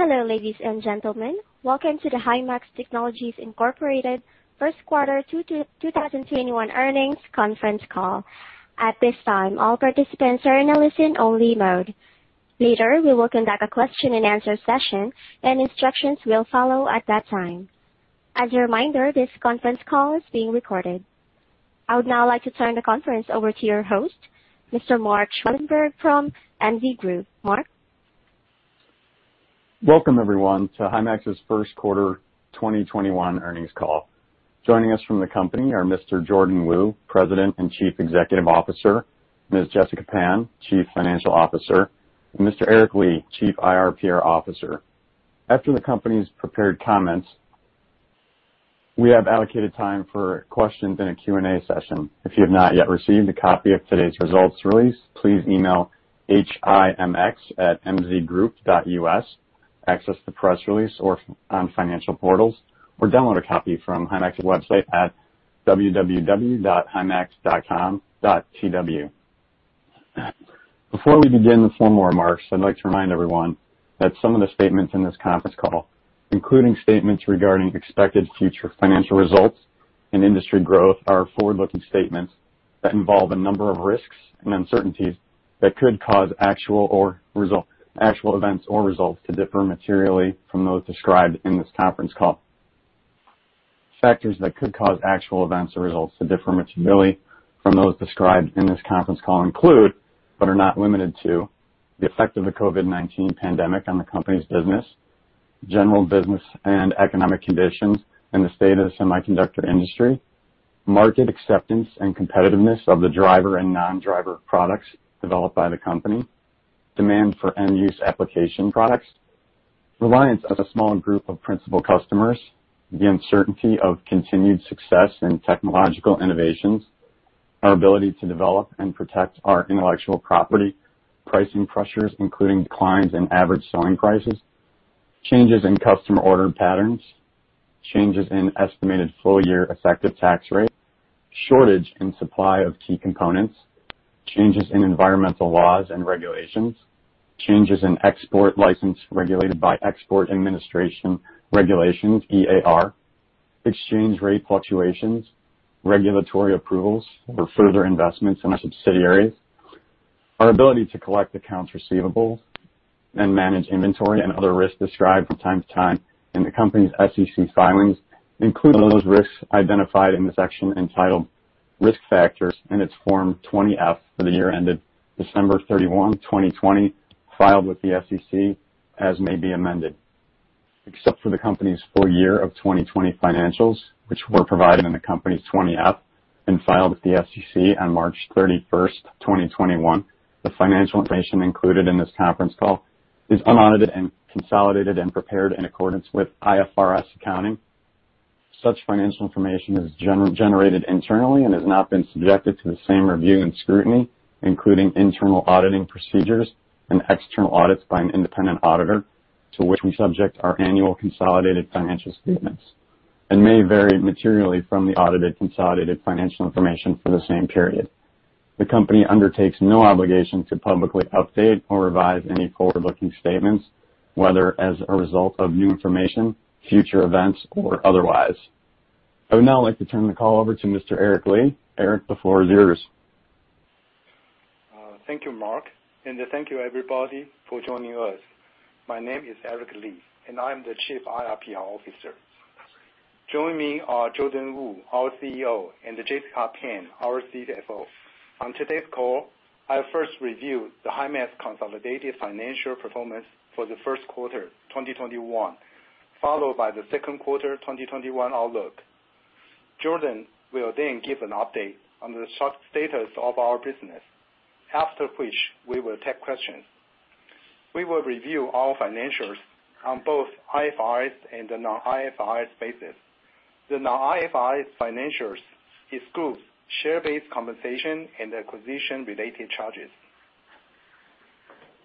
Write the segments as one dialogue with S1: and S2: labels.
S1: Hello, ladies and gentlemen. Welcome to the Himax Technologies, Inc. first quarter 2021 earnings conference call. At this time, all participants are in a listen-only mode. Later, we will conduct a question and answer session, and instructions will follow at that time. As a reminder, this conference call is being recorded. I would now like to turn the conference over to your host, Mr. Mark Schwalenberg from MZ Group. Mark?
S2: Welcome everyone to Himax's first quarter 2021 earnings call. Joining us from the company are Mr. Jordan Wu, President and Chief Executive Officer, Ms. Jessica Pan, Chief Financial Officer, and Mr. Eric Li, Chief IR/PR Officer. After the company's prepared comments, we have allocated time for questions in a Q&A session. If you have not yet received a copy of today's results release, please email himx@mzgroup.us, access the press release or on financial portals, or download a copy from Himax's website at www.himax.com.tw. Before we begin the formal remarks, I'd like to remind everyone that some of the statements in this conference call, including statements regarding expected future financial results and industry growth, are forward-looking statements that involve a number of risks and uncertainties that could cause actual events or results to differ materially from those described in this conference call. Factors that could cause actual events or results to differ materially from those described in this conference call include, but are not limited to, the effect of the COVID-19 pandemic on the company's business, general business and economic conditions, and the state of the semiconductor industry, market acceptance and competitiveness of the driver and non-driver products developed by the company, demand for end-use application products, reliance on a small group of principal customers, the uncertainty of continued success in technological innovations, our ability to develop and protect our intellectual property, pricing pressures, including declines in average selling prices, changes in customer order patterns, changes in estimated full year effective tax rate, shortage in supply of key components, changes in environmental laws and regulations, changes in export license regulated by Export Administration Regulations, EAR, exchange rate fluctuations, regulatory approvals for further investments in our subsidiaries, our ability to collect accounts receivables and manage inventory and other risks described from time to time in the company's SEC filings, including those risks identified in the section entitled Risk Factors in its Form 20-F for the year ended December 31st, 2020, filed with the SEC, as may be amended. Except for the company's full year of 2020 financials, which were provided in the company's 20-F and filed with the SEC on March 31st, 2021, the financial information included in this conference call is unaudited and consolidated and prepared in accordance with IFRS accounting. Such financial information is generated internally and has not been subjected to the same review and scrutiny, including internal auditing procedures and external audits by an independent auditor, to which we subject our annual consolidated financial statements and may vary materially from the audited consolidated financial information for the same period. The company undertakes no obligation to publicly update or revise any forward-looking statements, whether as a result of new information, future events, or otherwise. I would now like to turn the call over to Mr. Eric Li. Eric, the floor is yours.
S3: Thank you, Mark, and thank you everybody for joining us. My name is Eric Li, and I am the Chief IR/PR Officer. Joining me are Jordan Wu, our CEO, and Jessica Pan, our CFO. On today's call, I'll first review the Himax consolidated financial performance for the first quarter 2021, followed by the second quarter 2021 outlook. Jordan will then give an update on the status of our business, after which we will take questions. We will review our financials on both IFRS and the non-IFRS basis. The non-IFRS financials excludes share-based compensation and acquisition-related charges.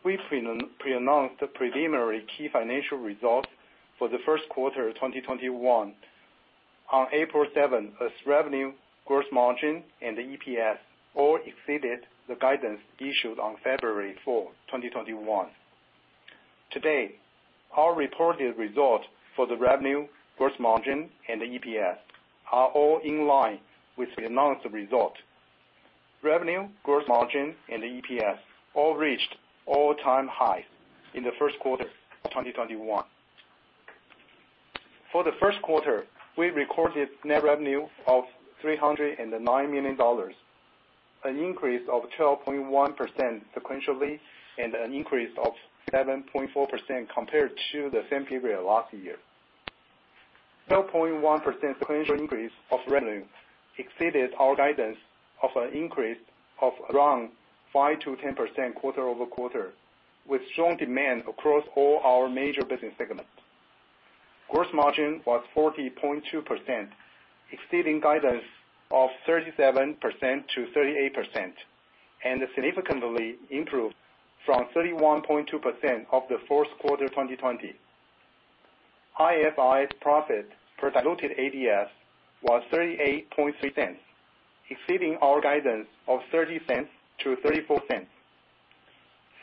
S3: We pre-announced the preliminary key financial results for the first quarter 2021. On April 7th, 2021 as revenue, gross margin, and EPS all exceeded the guidance issued on February 4th, 2021. Today, our reported results for the revenue, gross margin, and EPS are all in line with the announced result. Revenue, gross margin, and EPS all reached all-time highs in the first quarter 2021. For the first quarter, we recorded net revenue of $309 million, an increase of 12.1% sequentially and an increase of 7.4% compared to the same period last year. 12.1% sequential increase of revenue exceeded our guidance of an increase of around 5%-10% quarter-over-quarter with strong demand across all our major business segments. Gross margin was 40.2%, exceeding guidance of 37%-38%, and significantly improved from 31.2% of the fourth quarter 2020. IFRS profit per diluted ADS was $0.383, exceeding our guidance of $0.30-$0.34.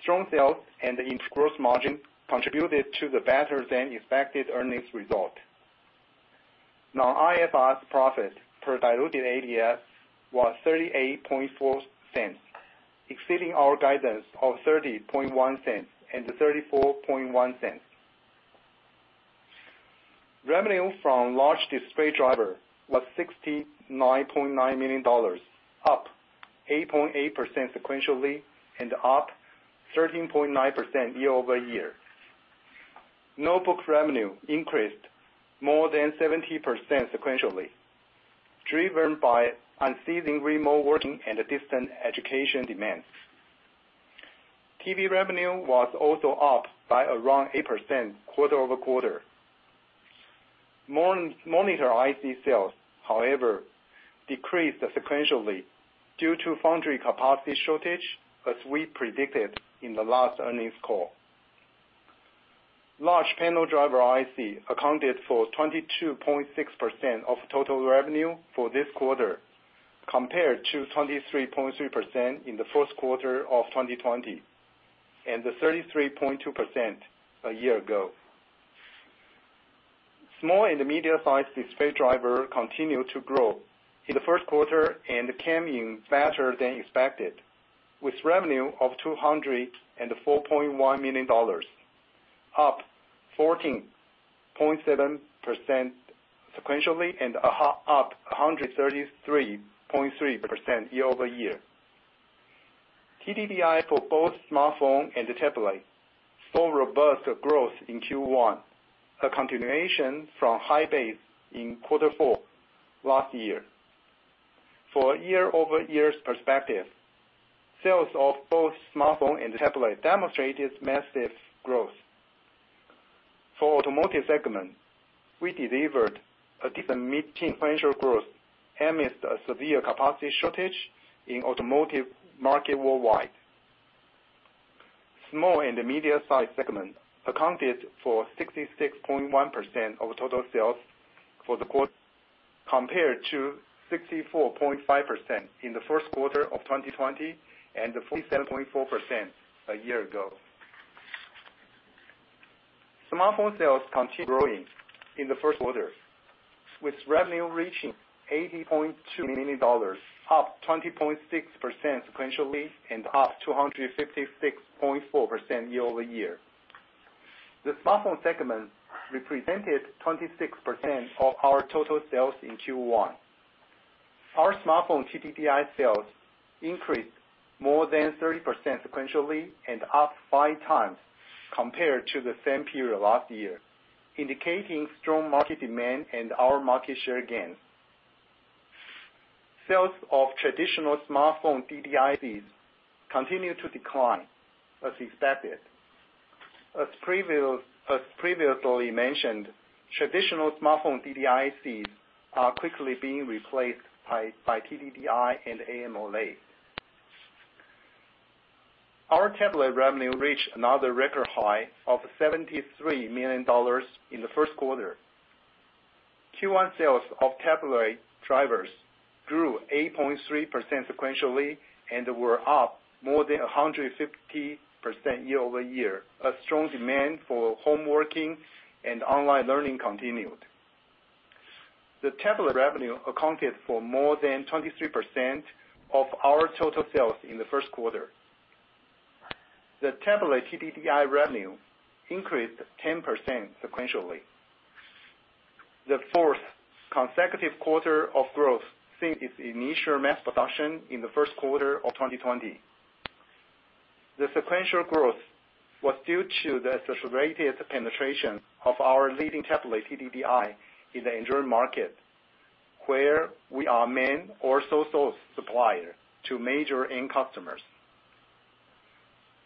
S3: Strong sales and the improved gross margin contributed to the better-than-expected earnings result. non-IFRS profit per diluted ADS was $0.384, exceeding our guidance of $0.301 and to $0.341. Revenue from large display driver was $69.9 million, up 8.8% sequentially and up 13.9% year-over-year. Notebook revenue increased more than 70% sequentially, driven by unceasing remote working and distant education demands. TV revenue was also up by around 8% quarter-over-quarter. Monitor IC sales, however, decreased sequentially due to foundry capacity shortage, as we predicted in the last earnings call. Large panel driver IC accounted for 22.6% of total revenue for this quarter, compared to 23.3% in the first quarter of 2020, and to 33.2% a year ago. Small and intermediate-sized display driver continued to grow in the first quarter and came in better than expected, with revenue of $204.1 million, up 14.7% sequentially and up 133.3% year-over-year. TDDI for both smartphone and tablet saw robust growth in Q1, a continuation from high base in quarter four last year. For a year-over-year perspective, sales of both smartphone and tablet demonstrated massive growth. For automotive segment, we delivered a decent mid-tier financial growth amidst a severe capacity shortage in automotive market worldwide. Small and intermediate size segment accounted for 66.1% of total sales for the quarter, compared to 64.5% in the first quarter of 2020 and to 47.4% a year ago. Smartphone sales continued growing in the first quarter, with revenue reaching $80.2 million, up 20.6% sequentially and up 256.4% year-over-year. The smartphone segment represented 26% of our total sales in Q1. Our smartphone TDDI sales increased more than 30% sequentially and up 5x compared to the same period last year, indicating strong market demand and our market share gains. Sales of traditional smartphone TDDI ICs continue to decline as expected. As previously mentioned, traditional smartphone TDDI ICs are quickly being replaced by TDDI and AMOLED. Our tablet revenue reached another record high of $73 million in the first quarter. Q1 sales of tablet drivers grew 8.3% sequentially and were up more than 150% year-over-year. A strong demand for home working and online learning continued. The tablet revenue accounted for more than 23% of our total sales in the first quarter. The tablet TDDI revenue increased 10% sequentially. The 4th consecutive quarter of growth since its initial mass production in the first quarter of 2020. The sequential growth was due to the accelerated penetration of our leading tablet TDDI in the Android market, where we are main or sole source supplier to major end customers.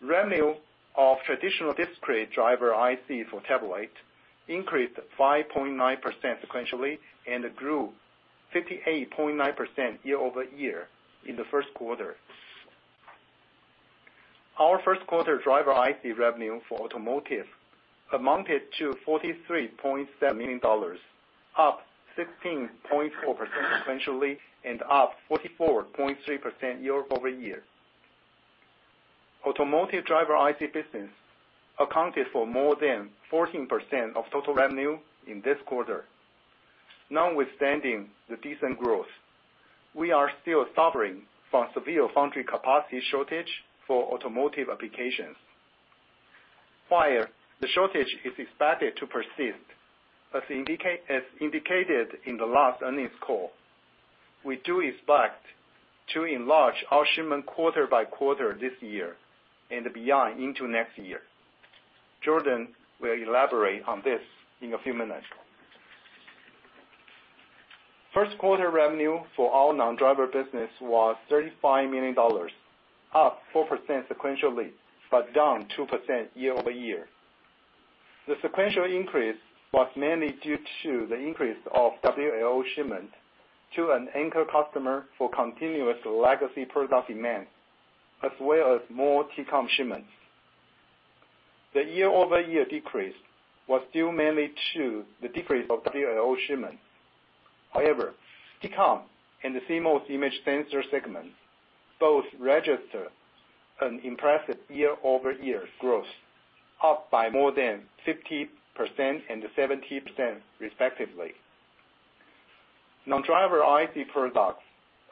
S3: Revenue of traditional discrete driver IC for tablet increased 5.9% sequentially and grew 58.9% year-over-year in the first quarter. Our first quarter driver IC revenue for automotive amounted to $43.7 million, up 16.4% sequentially and up 44.3% year-over-year. Automotive driver IC business accounted for more than 14% of total revenue in this quarter. Notwithstanding the decent growth, we are still suffering from severe foundry capacity shortage for automotive applications. While the shortage is expected to persist, as indicated in the last earnings call, we do expect to enlarge our shipment quarter by quarter this year and beyond into next year. Jordan will elaborate on this in a few minutes. First quarter revenue for our non-driver business was $35 million, up 4% sequentially, but down 2% year-over-year. The sequential increase was mainly due to the increase of WLO shipments to an anchor customer for continuous legacy product demand, as well as more TCON shipments. The year-over-year decrease was due mainly to the decrease of WLO shipments. However, TCON and the CMOS image sensor segment both registered an impressive year-over-year growth, up by more than 50% and 70% respectively. Non-driver IC products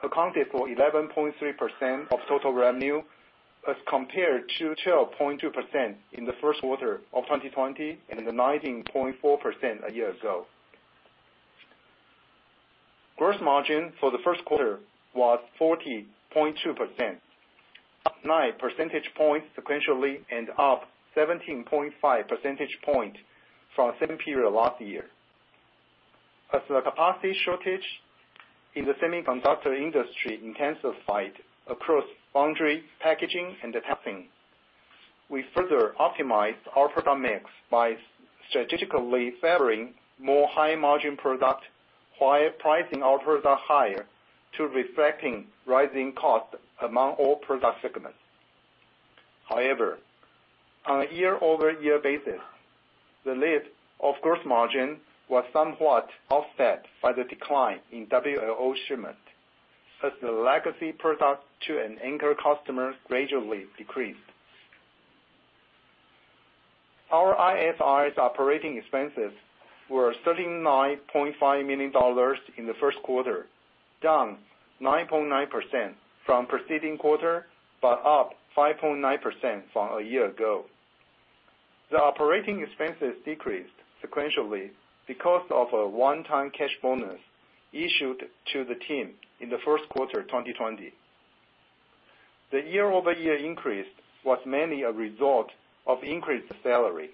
S3: accounted for 11.3% of total revenue as compared to 12.2% in the first quarter of 2020 and 19.4% a year ago. Gross margin for the first quarter was 40.2%, up 9 percentage points sequentially and up 17.5 percentage point from the same period last year. As the capacity shortage in the semiconductor industry intensified across foundry, packaging, and testing, we further optimized our product mix by strategically favoring more high-margin product, while pricing our products higher to reflecting rising costs among all product segments. However, on a year-over-year basis, the lift of gross margin was somewhat offset by the decline in WLO shipment as the legacy product to an anchor customer gradually decreased. Our IFRS operating expenses were $39.5 million in the first quarter, down 9.9% from the preceding quarter, but up 5.9% from a year ago. The operating expenses decreased sequentially because of a one-time cash bonus issued to the team in the first quarter of 2020. The year-over-year increase was mainly a result of increased salary.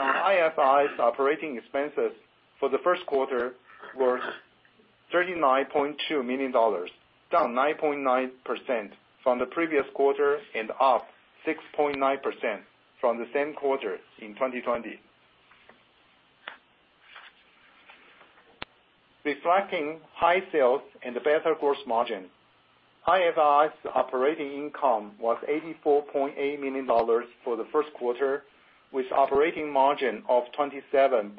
S3: IFRS' operating expenses for the first quarter were $39.2 million, down 9.9% from the previous quarter and up 6.9% from the same quarter in 2020. Reflecting high sales and better gross margin, IFRS' operating income was $84.8 million for the first quarter, with operating margin of 27.4%,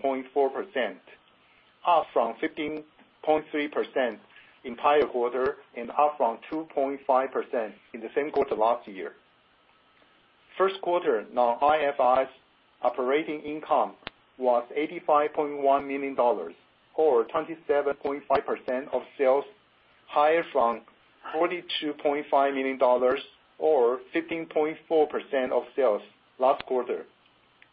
S3: up from 15.3% in prior quarter and up from 2.5% in the same quarter last year. First quarter, non-IFRS operating income was $85.1 million, or 27.5% of sales, higher from $42.5 million or 15.4% of sales last quarter,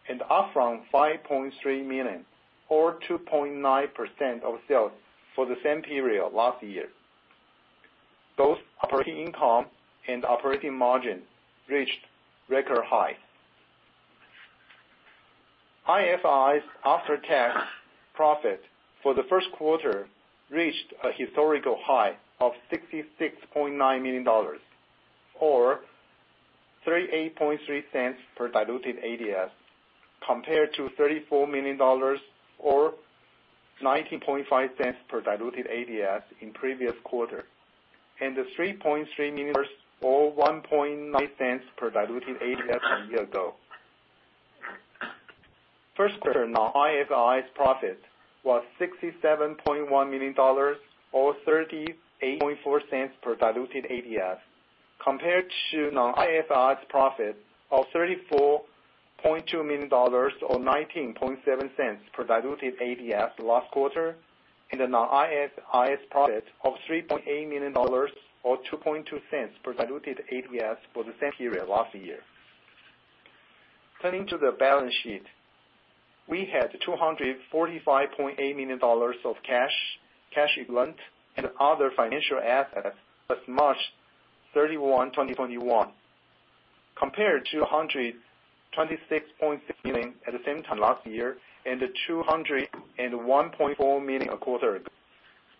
S3: and up from $5.3 million or 2.9% of sales for the same period last year. Both operating income and operating margin reached record highs. non-IFRS after-tax profit for the first quarter reached a historical high of $66.9 million or $0.383 per diluted ADS, compared to $34 million or $0.195 per diluted ADS in previous quarter. $3.3 million or $0.019 per diluted ADS a year ago. First quarter non-IFRS profit was $67.1 million or $0.384 per diluted ADS compared to non-IFRS profit of $34.2 million or $0.197 per diluted ADS last quarter, and non-IFRS profit of $3.8 million or $0.022 per diluted ADS for the same period last year. Turning to the balance sheet, we had $245.8 million of cash equivalent, and other financial assets as of March 31st, 2021, compared to $126.6 million at the same time last year and $201.4 million a quarter ago.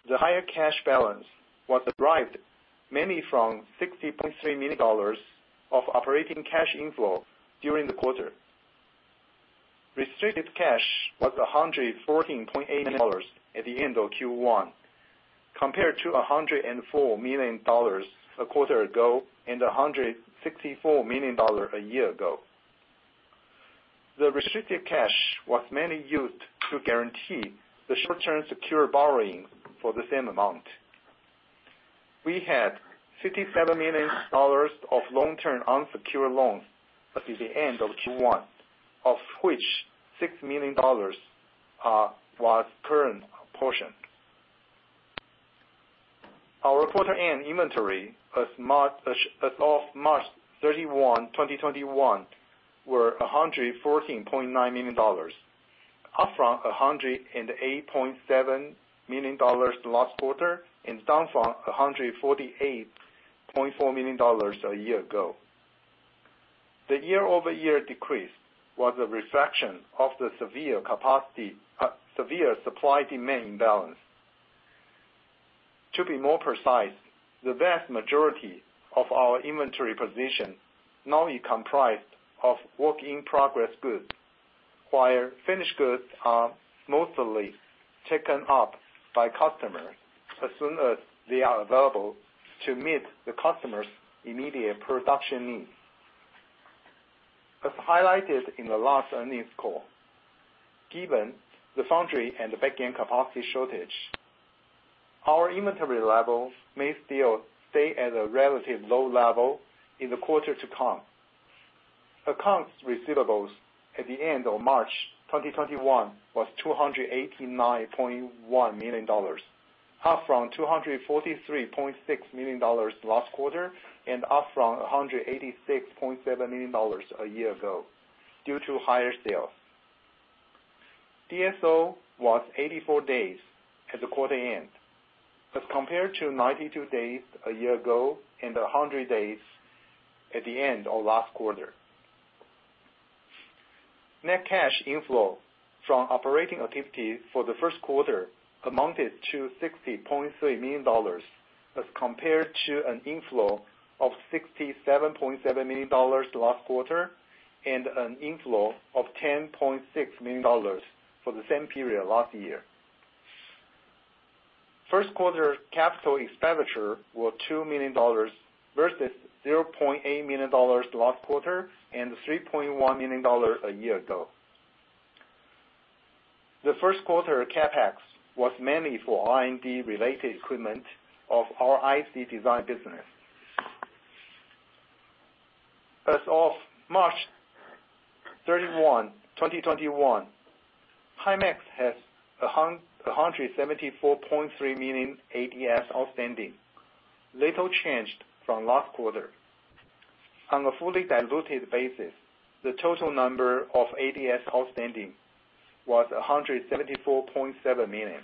S3: The higher cash balance was derived mainly from $60.3 million of operating cash inflow during the quarter. Restricted cash was $114.8 million at the end of Q1, compared to $104 million a quarter ago and $164 million a year ago. The restricted cash was mainly used to guarantee the short-term secured borrowing for the same amount. We had $57 million of long-term unsecured loans at the end of Q1, of which $6 million was current portion. Our quarter-end inventory as of March 31st, 2021, were $114.9 million, up from $108.7 million last quarter and down from $148.4 million a year ago. The year-over-year decrease was a reflection of the severe supply-demand imbalance. To be more precise, the vast majority of our inventory position now is comprised of work-in-progress goods, while finished goods are mostly taken up by customers as soon as they are available to meet the customer's immediate production needs. As highlighted in the last earnings call, given the foundry and the back-end capacity shortage, our inventory levels may still stay at a relatively low level in the quarter to come. Accounts receivables at the end of March 2021 was $289.1 million, up from $243.6 million last quarter, and up from $186.7 million a year ago due to higher sales. DSO was 84 days at the quarter end as compared to 92 days a year ago and 100 days at the end of last quarter. Net cash inflow from operating activity for the first quarter amounted to $60.3 million as compared to an inflow of $67.7 million last quarter, and an inflow of $10.6 million for the same period last year. First quarter capital expenditure was $2 million versus $0.8 million last quarter, and $3.1 million a year ago. The first quarter CapEx was mainly for R&D related equipment of our IC design business. As of March 31st, 2021, Himax has 174.3 million ADS outstanding, little changed from last quarter. On a fully diluted basis, the total number of ADS outstanding was 174.7 million.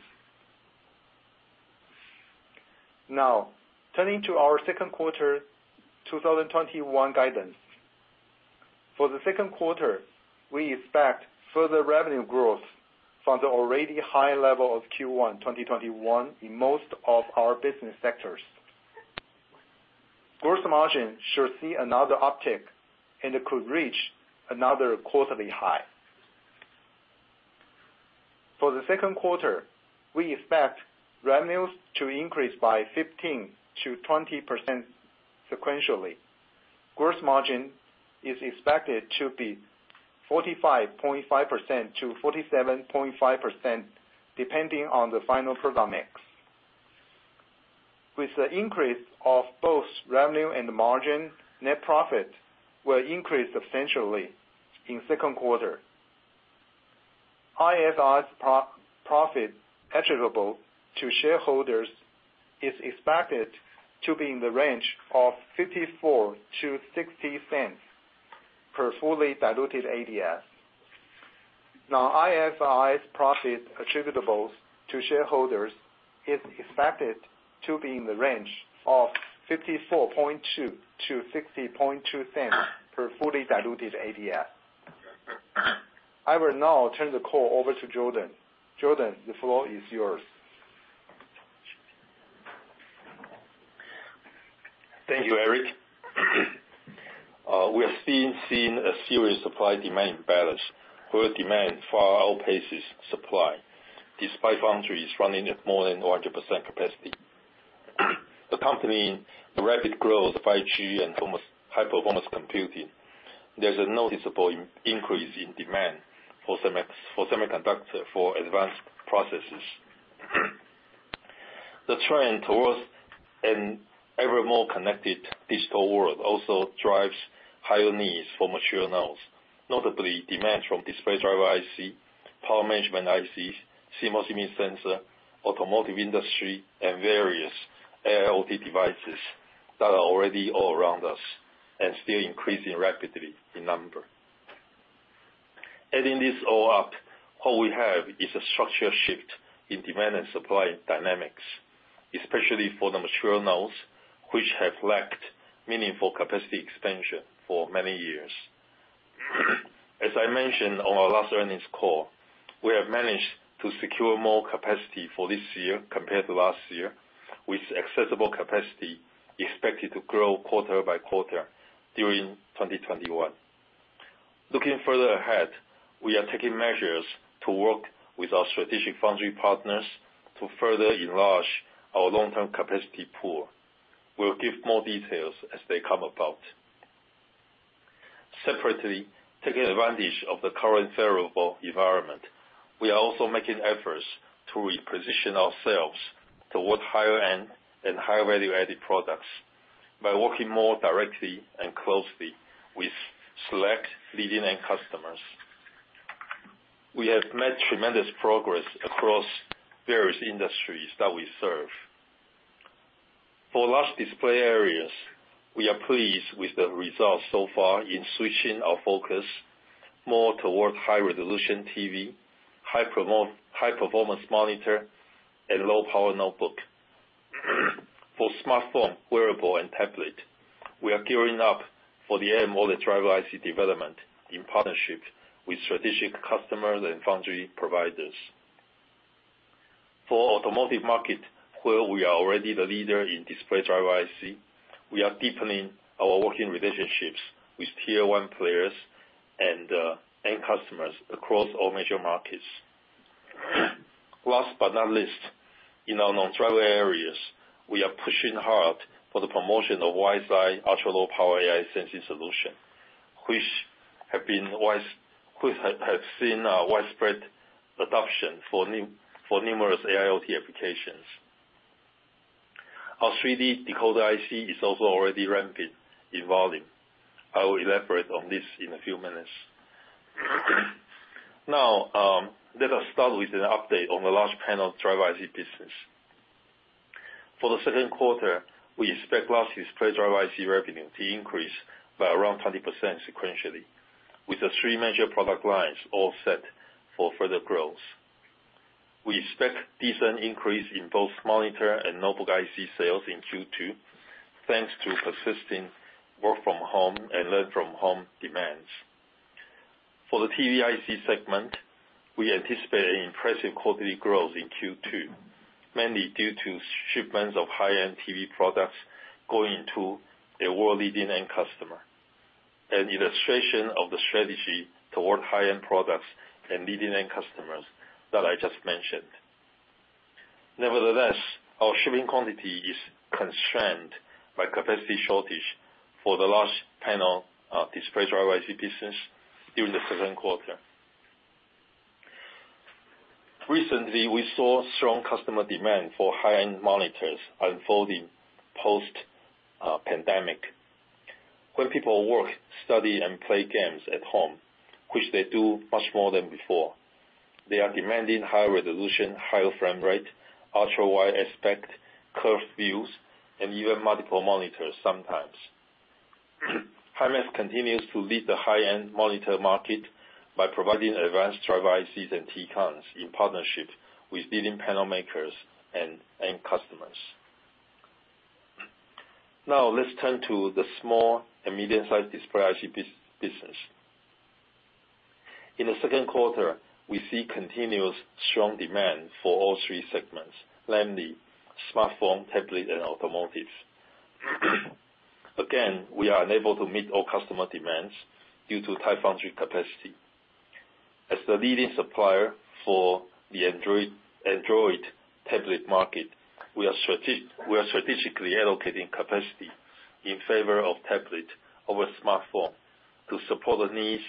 S3: Turning to our second quarter 2021 guidance. For the second quarter, we expect further revenue growth from the already high level of Q1 2021 in most of our business sectors. Gross margin should see another uptick and it could reach another quarterly high. For the second quarter, we expect revenues to increase by 15%-20% sequentially. Gross margin is expected to be 45.5%-47.5%, depending on the final product mix. With the increase of both revenue and margin, net profit will increase substantially in the second quarter. IFRS's profit attributable to shareholders is expected to be in the range of $0.54-$0.60 per fully diluted ADS. Now, IFRS's profit attributable to shareholders is expected to be in the range of $0.542-$0.602 per fully diluted ADS. I will now turn the call over to Jordan. Jordan, the floor is yours.
S4: Thank you, Eric. We have still seen a serious supply-demand imbalance, where demand far outpaces supply, despite foundries running at more than 100% capacity. Accompanying the rapid growth of 5G and high-performance computing, there's a noticeable increase in demand for semiconductors for advanced processes. The trend towards an ever more connected digital world also drives higher needs for mature nodes, notably demand from display driver IC, power management IC, CMOS image sensor, automotive industry, and various IoT devices that are already all around us and still increasing rapidly in number. Adding this all up, what we have is a structural shift in demand and supply dynamics, especially for the mature nodes, which have lacked meaningful capacity expansion for many years. As I mentioned on our last earnings call, we have managed to secure more capacity for this year compared to last year, with accessible capacity expected to grow quarter by quarter during 2021. Looking further ahead, we are taking measures to work with our strategic foundry partners to further enlarge our long-term capacity pool. We'll give more details as they come about. Separately, taking advantage of the current favorable environment, we are also making efforts to reposition ourselves towards higher-end and higher value-added products by working more directly and closely with select leading-end customers. We have made tremendous progress across various industries that we serve. For large display areas, we are pleased with the results so far in switching our focus more toward high-resolution TV, high-performance monitor, and low-power notebook. For smartphone, wearable, and tablet, we are gearing up for the AMOLED driver IC development in partnership with strategic customers and foundry providers. For automotive market, where we are already the leader in display driver IC, we are deepening our working relationships with tier one players and end customers across all major markets. Last but not least, in our non-driver areas, we are pushing hard for the promotion of WiseEye ultra-low power AI sensing solution, which has seen a widespread adoption for numerous AIoT applications. Our 3D decoder IC is also already ramping in volume. I will elaborate on this in a few minutes. Let us start with an update on the large panel driver IC business. For the second quarter, we expect large display driver IC revenue to increase by around 20% sequentially, with the three major product lines all set for further growth. We expect decent increase in both monitor and notebook IC sales in Q2, thanks to persisting work from home and learn from home demands. For the TV IC segment, we anticipate impressive quarterly growth in Q2, mainly due to shipments of high-end TV products going to a world-leading end customer, an illustration of the strategy toward high-end products and leading-end customers that I just mentioned. Nevertheless, our shipping quantity is constrained by capacity shortage for the large panel display driver IC business during the second quarter. Recently, we saw strong customer demand for high-end monitors unfolding post-pandemic. When people work, study, and play games at home, which they do much more than before, they are demanding higher resolution, higher frame rate, ultra-wide aspect, curved views, and even multiple monitors sometimes. Himax continues to lead the high-end monitor market by providing advanced driver ICs and TCONs in partnership with leading panel makers and end customers. Let's turn to the small and medium-sized display IC business. In the second quarter, we see continuous strong demand for all three segments, namely smartphone, tablet, and automotive. We are unable to meet all customer demands due to foundry capacity. As the leading supplier for the Android tablet market, we are strategically allocating capacity in favor of tablet over smartphone to support the needs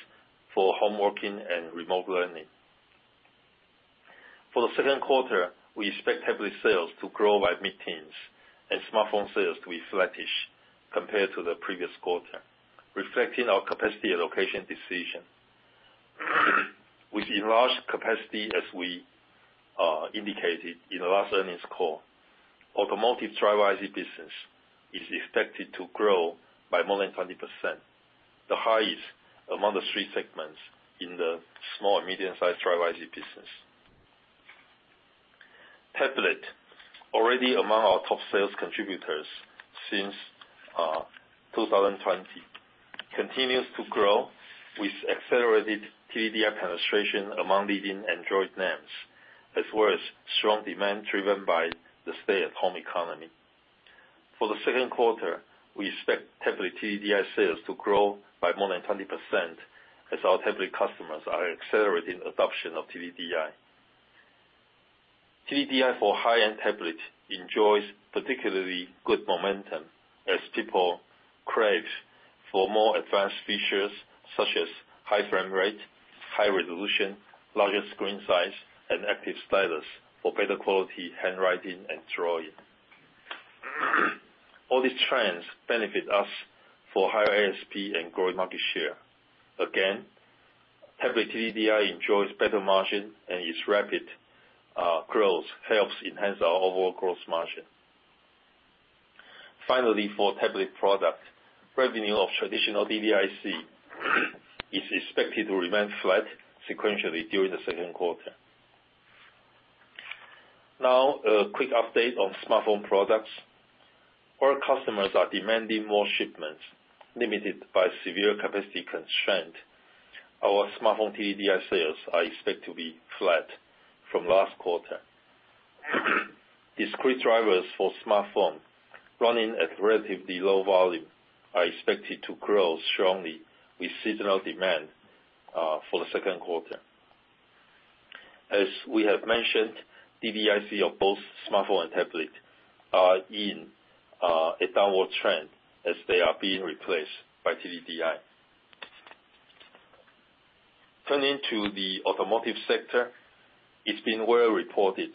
S4: for home working and remote learning. For the second quarter, we expect tablet sales to grow by mid-teens and smartphone sales to be flattish compared to the previous quarter, reflecting our capacity allocation decision. With enlarged capacity, as we indicated in the last earnings call, automotive driver IC business is expected to grow by more than 20%, the highest among the three segments in the small and medium-sized driver IC business. Tablet, already among our top sales contributors since 2020, continues to grow with accelerated TDDI penetration among leading Android names, as well as strong demand driven by the stay-at-home economy. For the second quarter, we expect tablet TDDI sales to grow by more than 20% as our tablet customers are accelerating adoption of TDDI. TDDI for high-end tablets enjoys particularly good momentum as people crave for more advanced features such as high frame rate, high resolution, larger screen size, and active stylus for better quality handwriting and drawing. All these trends benefit us for higher ASP and growing market share. Again, tablet TDDI enjoys better margin and its rapid growth helps enhance our overall growth margin. Finally, for tablet product, revenue of traditional DDI IC is expected to remain flat sequentially during the second quarter. Now, a quick update on smartphone products. Our customers are demanding more shipments. Limited by severe capacity constraint, our smartphone TDDI sales are expected to be flat from last quarter. Discrete drivers for smartphone running at relatively low volume are expected to grow strongly with seasonal demand for the second quarter. As we have mentioned, DDI IC of both smartphone and tablet are in a downward trend as they are being replaced by TDDI. Turning to the automotive sector, it has been well reported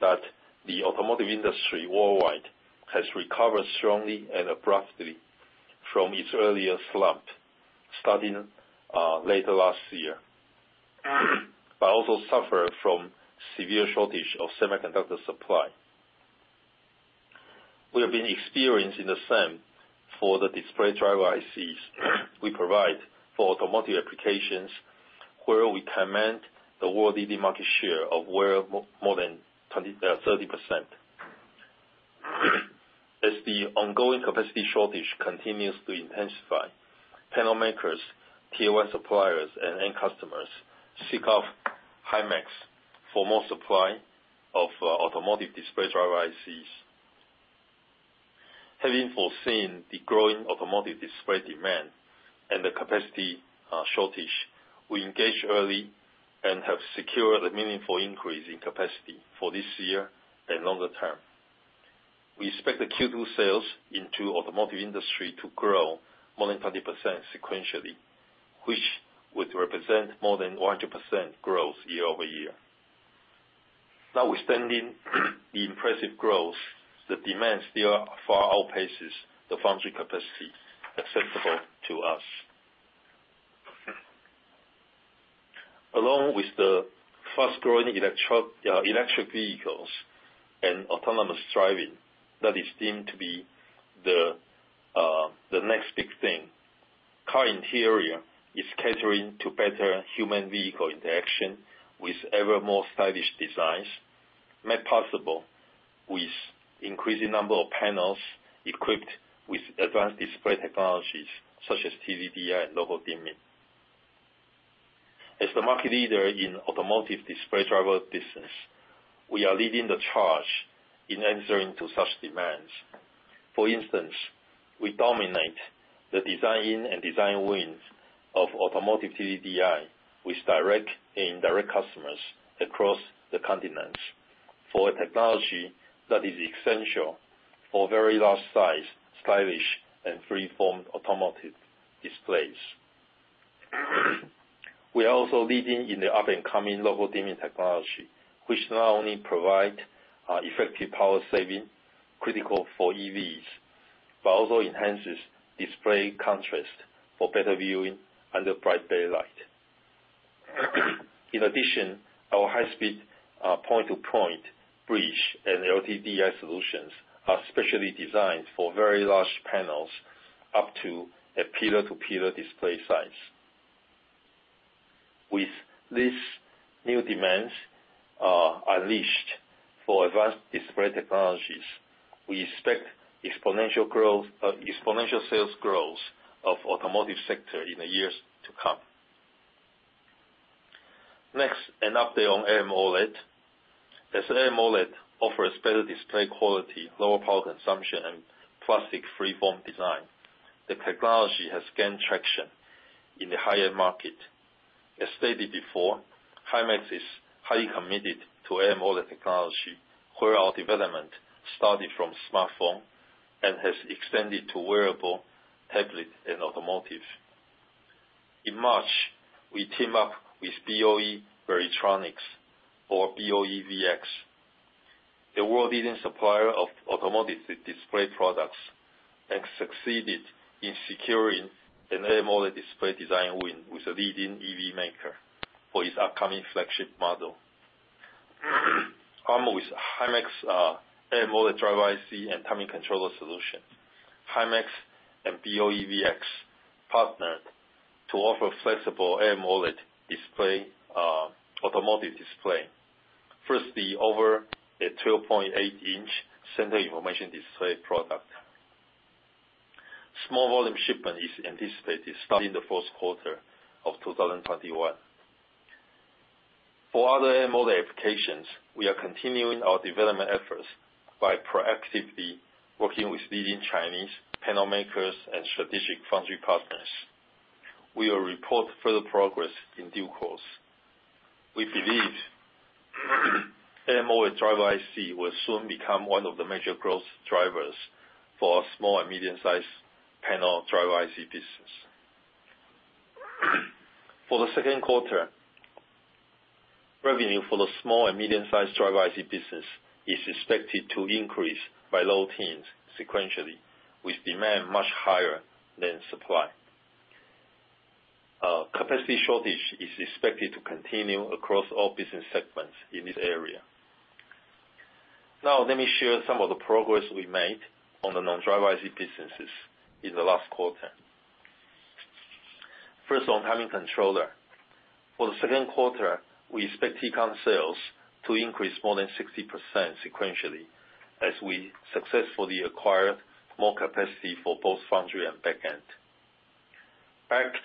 S4: that the automotive industry worldwide has recovered strongly and abruptly from its earlier slump starting later last year, but also suffer from severe shortage of semiconductor supply. We have been experiencing the same for the display driver ICs we provide for automotive applications, where we command the world-leading market share of more than 30%. The ongoing capacity shortage continues to intensify. Panel makers, TI suppliers, and end customers seek out Himax for more supply of automotive display driver ICs. Having foreseen the growing automotive display demand and the capacity shortage, we engaged early and have secured a meaningful increase in capacity for this year and longer term. We expect the Q2 sales into automotive industry to grow more than 20% sequentially, which would represent more than 100% growth year-over-year. Notwithstanding the impressive growth, the demand still far outpaces the foundry capacity acceptable to us. Along with the fast-growing electric vehicles and autonomous driving, that is deemed to be the next big thing. Car interior is catering to better human vehicle interaction with ever more stylish designs, made possible with increasing number of panels equipped with advanced display technologies, such as TDDI and local dimming. As the market leader in automotive display driver business, we are leading the charge in answering to such demands. For instance, we dominate the design and design wins of automotive TDDI with direct and indirect customers across the continents for a technology that is essential for very large size, stylish, and freeform automotive displays. We are also leading in the up-and-coming local dimming technology, which not only provide effective power saving, critical for EVs, but also enhances display contrast for better viewing under bright daylight. In addition, our high-speed point-to-point bridge and LTDI solutions are specially designed for very large panels up to a pillar-to-pillar display size. With these new demands unleashed for advanced display technologies, we expect exponential sales growth of automotive sector in the years to come. An update on AMOLED. As AMOLED offers better display quality, lower power consumption, and classic freeform design, the technology has gained traction in the higher market. As stated before, Himax is highly committed to AMOLED technology, where our development started from smartphone and has extended to wearable, tablet, and automotive. In March, we team up with BOE Varitronix or BOEVx, the world leading supplier of automotive display products and succeeded in securing an AMOLED display design win with a leading EV maker for its upcoming flagship model. Armed with Himax AMOLED driver IC and timing controller solution, Himax and BOEVx partnered to offer flexible AMOLED automotive display. Over a 12.8 inch center information display product. Small volume shipment is anticipated starting the fourth quarter of 2021. For other AMOLED applications, we are continuing our development efforts by proactively working with leading Chinese panel makers and strategic foundry partners. We will report further progress in due course. We believe AMOLED driver IC will soon become one of the major growth drivers for our small and medium-sized panel driver IC business. For the second quarter, revenue for the small and medium-sized driver IC business is expected to increase by low-teens sequentially, with demand much higher than supply. Capacity shortage is expected to continue across all business segments in this area. Let me share some of the progress we made on the non-driver IC businesses in the last quarter. On timing controller. For the second quarter, we expect TCON sales to increase more than 60% sequentially as we successfully acquired more capacity for both foundry and back-end. Backed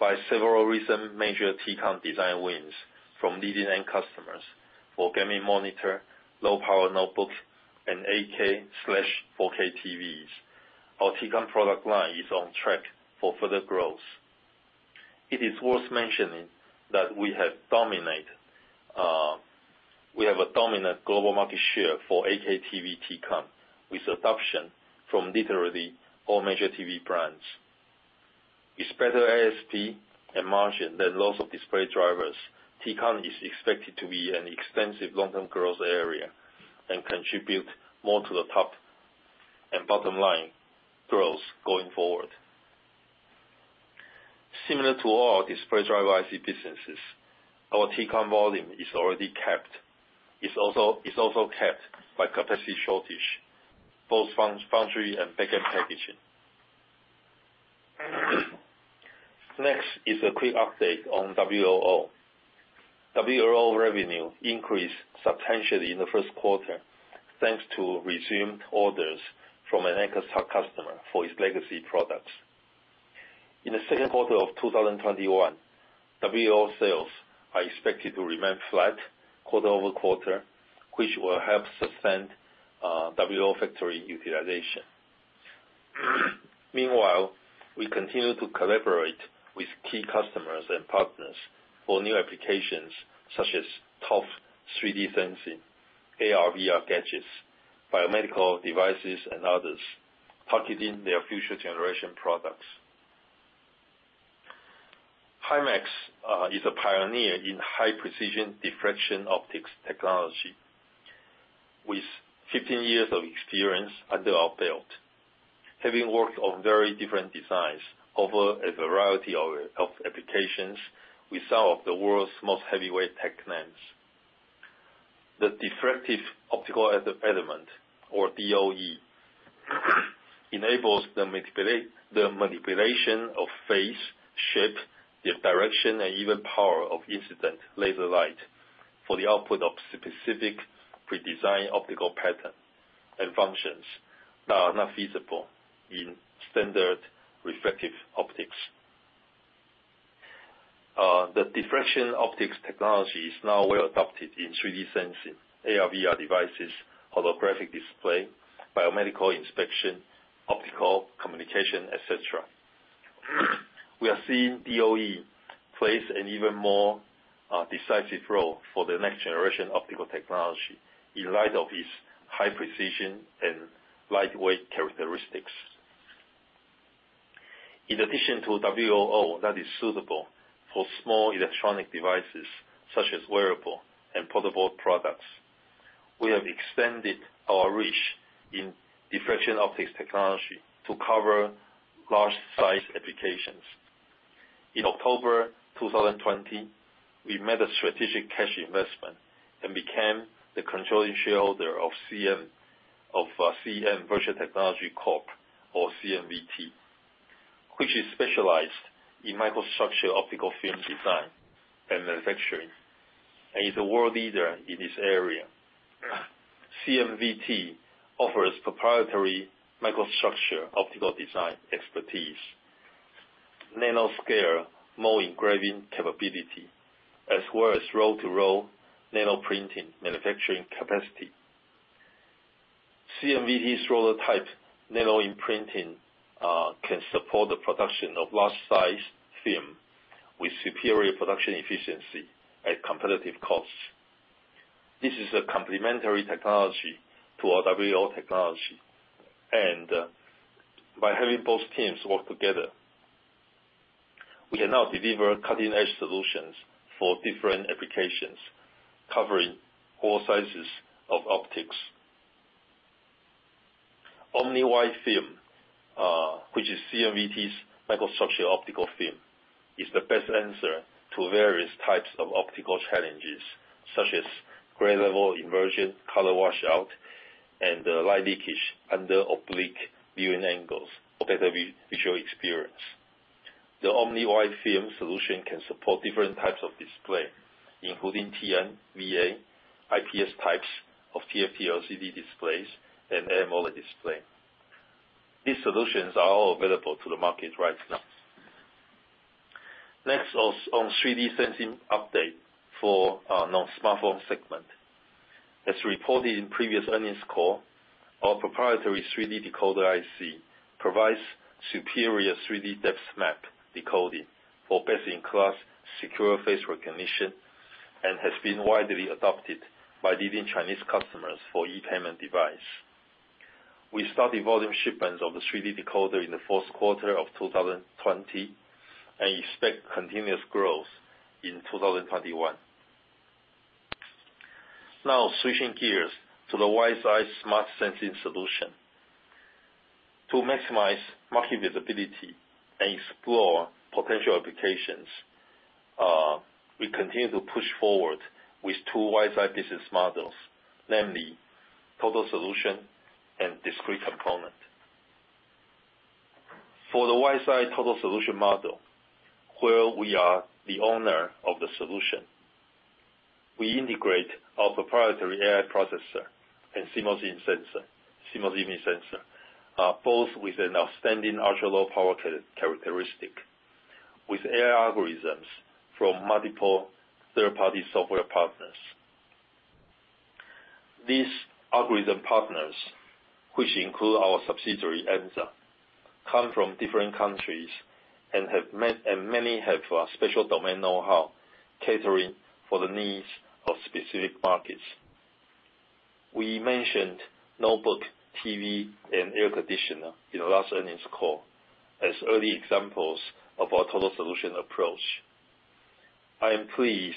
S4: by several recent major TCON design wins from leading end customers for gaming monitor, low power notebooks, and 8K/4K TVs. Our TCON product line is on track for further growth. It is worth mentioning that we have a dominant global market share for 8K TV TCON, with adoption from literally all major TV brands. With better ASP and margin than lots of display drivers, TCON is expected to be an extensive long-term growth area and contribute more to the top and bottom line growth going forward. Similar to all display driver IC businesses, our TCON volume is also capped by capacity shortage, both foundry and back-end packaging. Next is a quick update on WLO. WLO revenue increased substantially in the first quarter thanks to resumed orders from an anchor sub-customer for its legacy products. In the second quarter of 2021, WLO sales are expected to remain flat quarter-over-quarter, which will help sustain WLO factory utilization. Meanwhile, we continue to collaborate with key customers and partners for new applications such as TOF 3D sensing, AR/VR gadgets, biomedical devices, and others, targeting their future generation products. Himax is a pioneer in high-precision diffraction optics technology. With 15 years of experience under our belt, having worked on very different designs over a variety of applications, we serve the world's most heavyweight tech names. The diffractive optical element, or DOE, enables the manipulation of phase, shape, the direction, and even power of incident laser light for the output of specific pre-designed optical pattern and functions that are not feasible in standard refractive optics. The diffraction optics technology is now well adopted in 3D sensing, AR/VR devices, holographic display, biomedical inspection, optical communication, et cetera. We are seeing DOE plays an even more decisive role for the next generation optical technology in light of its high precision and lightweight characteristics. In addition to WLO that is suitable for small electronic devices such as wearable and portable products, we have extended our reach in diffraction optics technology to cover large size applications. In October 2020, we made a strategic cash investment and became the controlling shareholder of CM Vision Technology Corp, or CMVT, which is specialized in microstructure optical film design and manufacturing, and is a world leader in this area. CMVT offers proprietary microstructure optical design expertise, nanoscale mold engraving capability, as well as roll-to-roll nanoprinting manufacturing capacity. CMVT's roller type nanoimprinting can support the production of large size film with superior production efficiency at competitive costs. This is a complementary technology to our WLO technology. By having both teams work together, we can now deliver cutting-edge solutions for different applications covering all sizes of optics. Omni-Wide Film, which is CMVT's microstructure optical film, is the best answer to various types of optical challenges, such as gray level inversion, color washout, and light leakage under oblique viewing angles for better visual experience. The Omni-Wide Film solution can support different types of display, including TN, VA, IPS types of TFT LCD displays, and AMOLED display. These solutions are all available to the market right now. Next is on 3D sensing update for our non-smartphone segment. As reported in previous earnings call, our proprietary 3D decoder IC provides superior 3D depth map decoding for best-in-class secure face recognition and has been widely adopted by leading Chinese customers for e-payment device. We started volume shipments of the 3D decoder in the fourth quarter of 2020 and expect continuous growth in 2021. Now, switching gears to the WiseEye smart sensing solution. To maximize market visibility and explore potential applications, we continue to push forward with two WiseEye business models, namely total solution and discrete component. For the WiseEye total solution model, where we are the owner of the solution, we integrate our proprietary AI processor and CMOS image sensor, both with an outstanding ultra-low power characteristic with AI algorithms from multiple third-party software partners. These algorithm partners, which include our subsidiary, Emza, come from different countries and many have a special domain know-how catering for the needs of specific markets. We mentioned notebook, TV, and air conditioner in the last earnings call as early examples of our total solution approach. I am pleased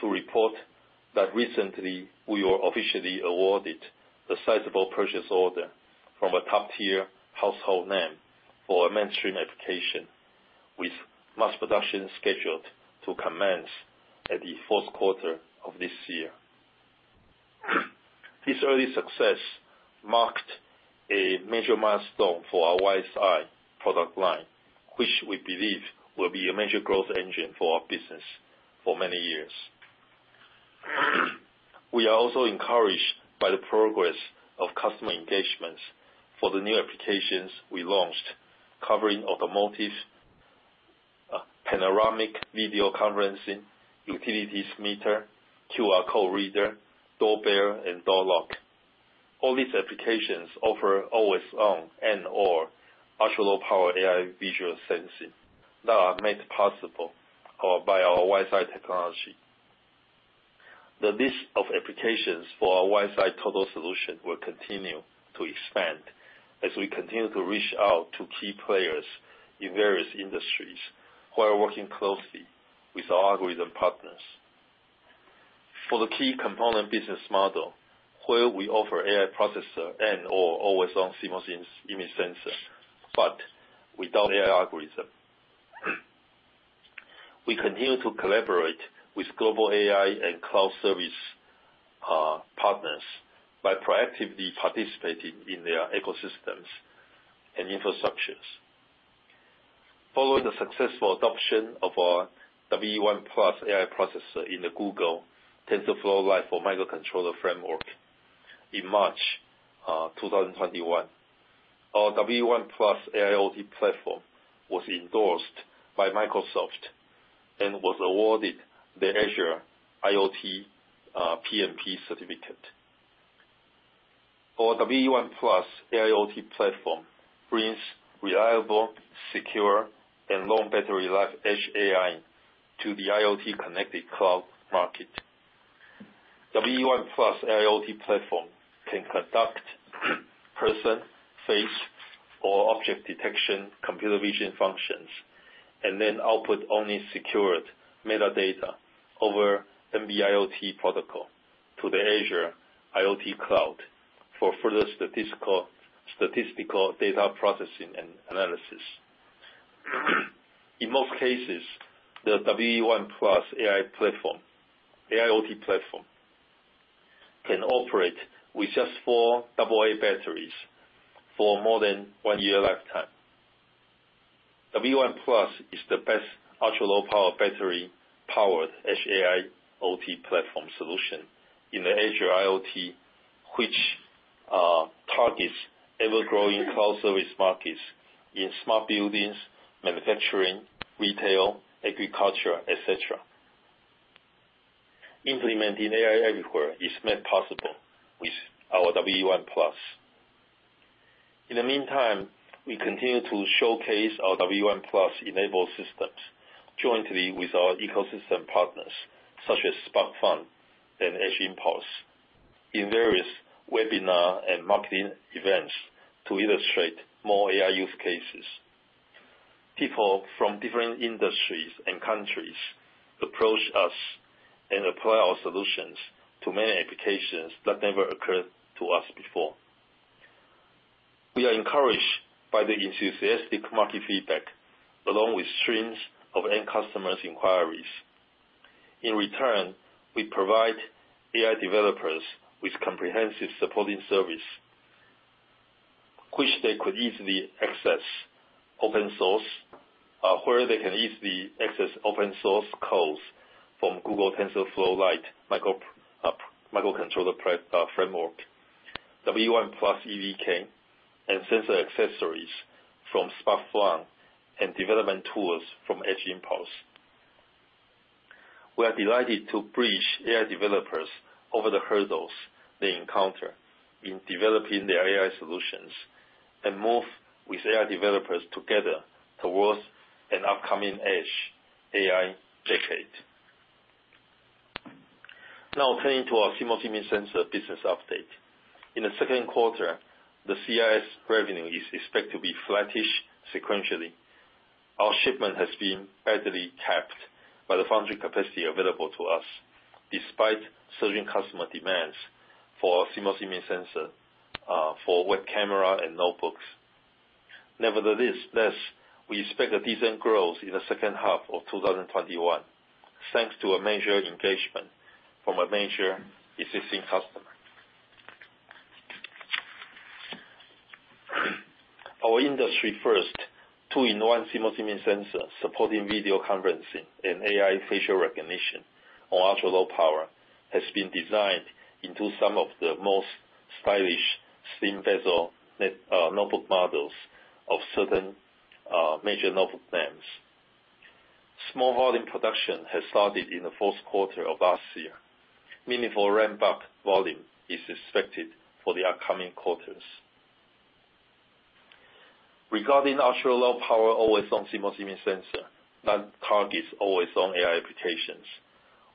S4: to report that recently we were officially awarded a sizable purchase order from a top-tier household name for a mainstream application, with mass production scheduled to commence at the fourth quarter of this year. This early success marked a major milestone for our WiseEye product line, which we believe will be a major growth engine for our business for many years. We are also encouraged by the progress of customer engagements for the new applications we launched, covering automotive, panoramic video conferencing, utilities meter, QR code reader, doorbell, and door lock. All these applications offer always-on and/or ultra-low power AI visual sensing that are made possible by our WiseEye technology. The list of applications for our WiseEye total solution will continue to expand as we continue to reach out to key players in various industries who are working closely with our algorithm partners. For the key component business model, where we offer AI processor and/or always-on CMOS image sensor, but without AI algorithm. We continue to collaborate with global AI and cloud service partners by proactively participating in their ecosystems and infrastructures. Following the successful adoption of our WE1 Plus AI processor in the Google TensorFlow Lite for microcontroller framework in March 2021, our WE1 Plus AIoT platform was endorsed by Microsoft and was awarded the Azure IoT PnP certificate. Our WE1 Plus AIoT platform brings reliable, secure and long battery life edge AI to the IoT connected cloud market. WE1 Plus AIoT platform can conduct person, face or object detection, computer vision functions, and then output only secured metadata over the IoT protocol to the Azure IoT cloud for further statistical data processing and analysis. In most cases, the WE1 Plus AIoT platform can operate with just four double A batteries for more than one year lifetime. WE1 Plus is the best ultra-low power battery-powered AIoT platform solution in the Azure IoT, which targets ever-growing cloud service markets in smart buildings, manufacturing, retail, agriculture, et cetera. Implementing AI everywhere is made possible with our WE1 Plus. In the meantime, we continue to showcase our WE1 Plus enabled systems jointly with our ecosystem partners such as SparkFun and Edge Impulse in various webinar and marketing events to illustrate more AI use cases. People from different industries and countries approach us and apply our solutions to many applications that never occurred to us before. We are encouraged by the enthusiastic market feedback along with streams of end customers' inquiries. In return, we provide AI developers with comprehensive supporting service, where they can easily access open source codes from Google TensorFlow Lite, microcontroller framework, WE1 Plus EVK, and sensor accessories from SparkFun and development tools from Edge Impulse. We are delighted to bridge AI developers over the hurdles they encounter in developing their AI solutions and move with AI developers together towards an upcoming edge AI decade. Turning to our CMOS image sensor business update. In the second quarter, the CIS revenue is expected to be flattish sequentially. Our shipment has been badly capped by the foundry capacity available to us, despite surging customer demands for CMOS image sensor, for web camera and notebooks. We expect a decent growth in the second half of 2021, thanks to a major engagement from a major existing customer. Our industry first two in one CMOS image sensor supporting video conferencing and AI facial recognition on ultra-low power has been designed into some of the most stylish thin bezel notebook models of certain major notebook brands. Small volume production has started in the fourth quarter of last year, meaningful ramp-up volume is expected for the upcoming quarters. Regarding ultra-low power always on CMOS image sensor that targets always on AI applications,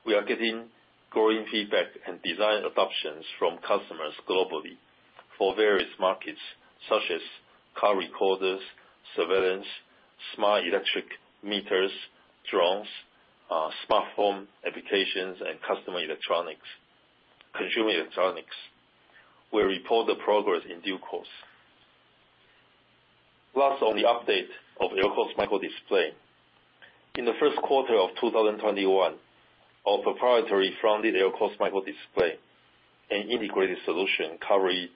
S4: we are getting growing feedback and design adoptions from customers globally for various markets such as car recorders, surveillance, smart electric meters, drones, smartphone applications and consumer electronics. We'll report the progress in due course. Last on the update of LCOS microdisplay. In the first quarter of 2021, our proprietary front-lit LCOS microdisplay, an integrated solution covering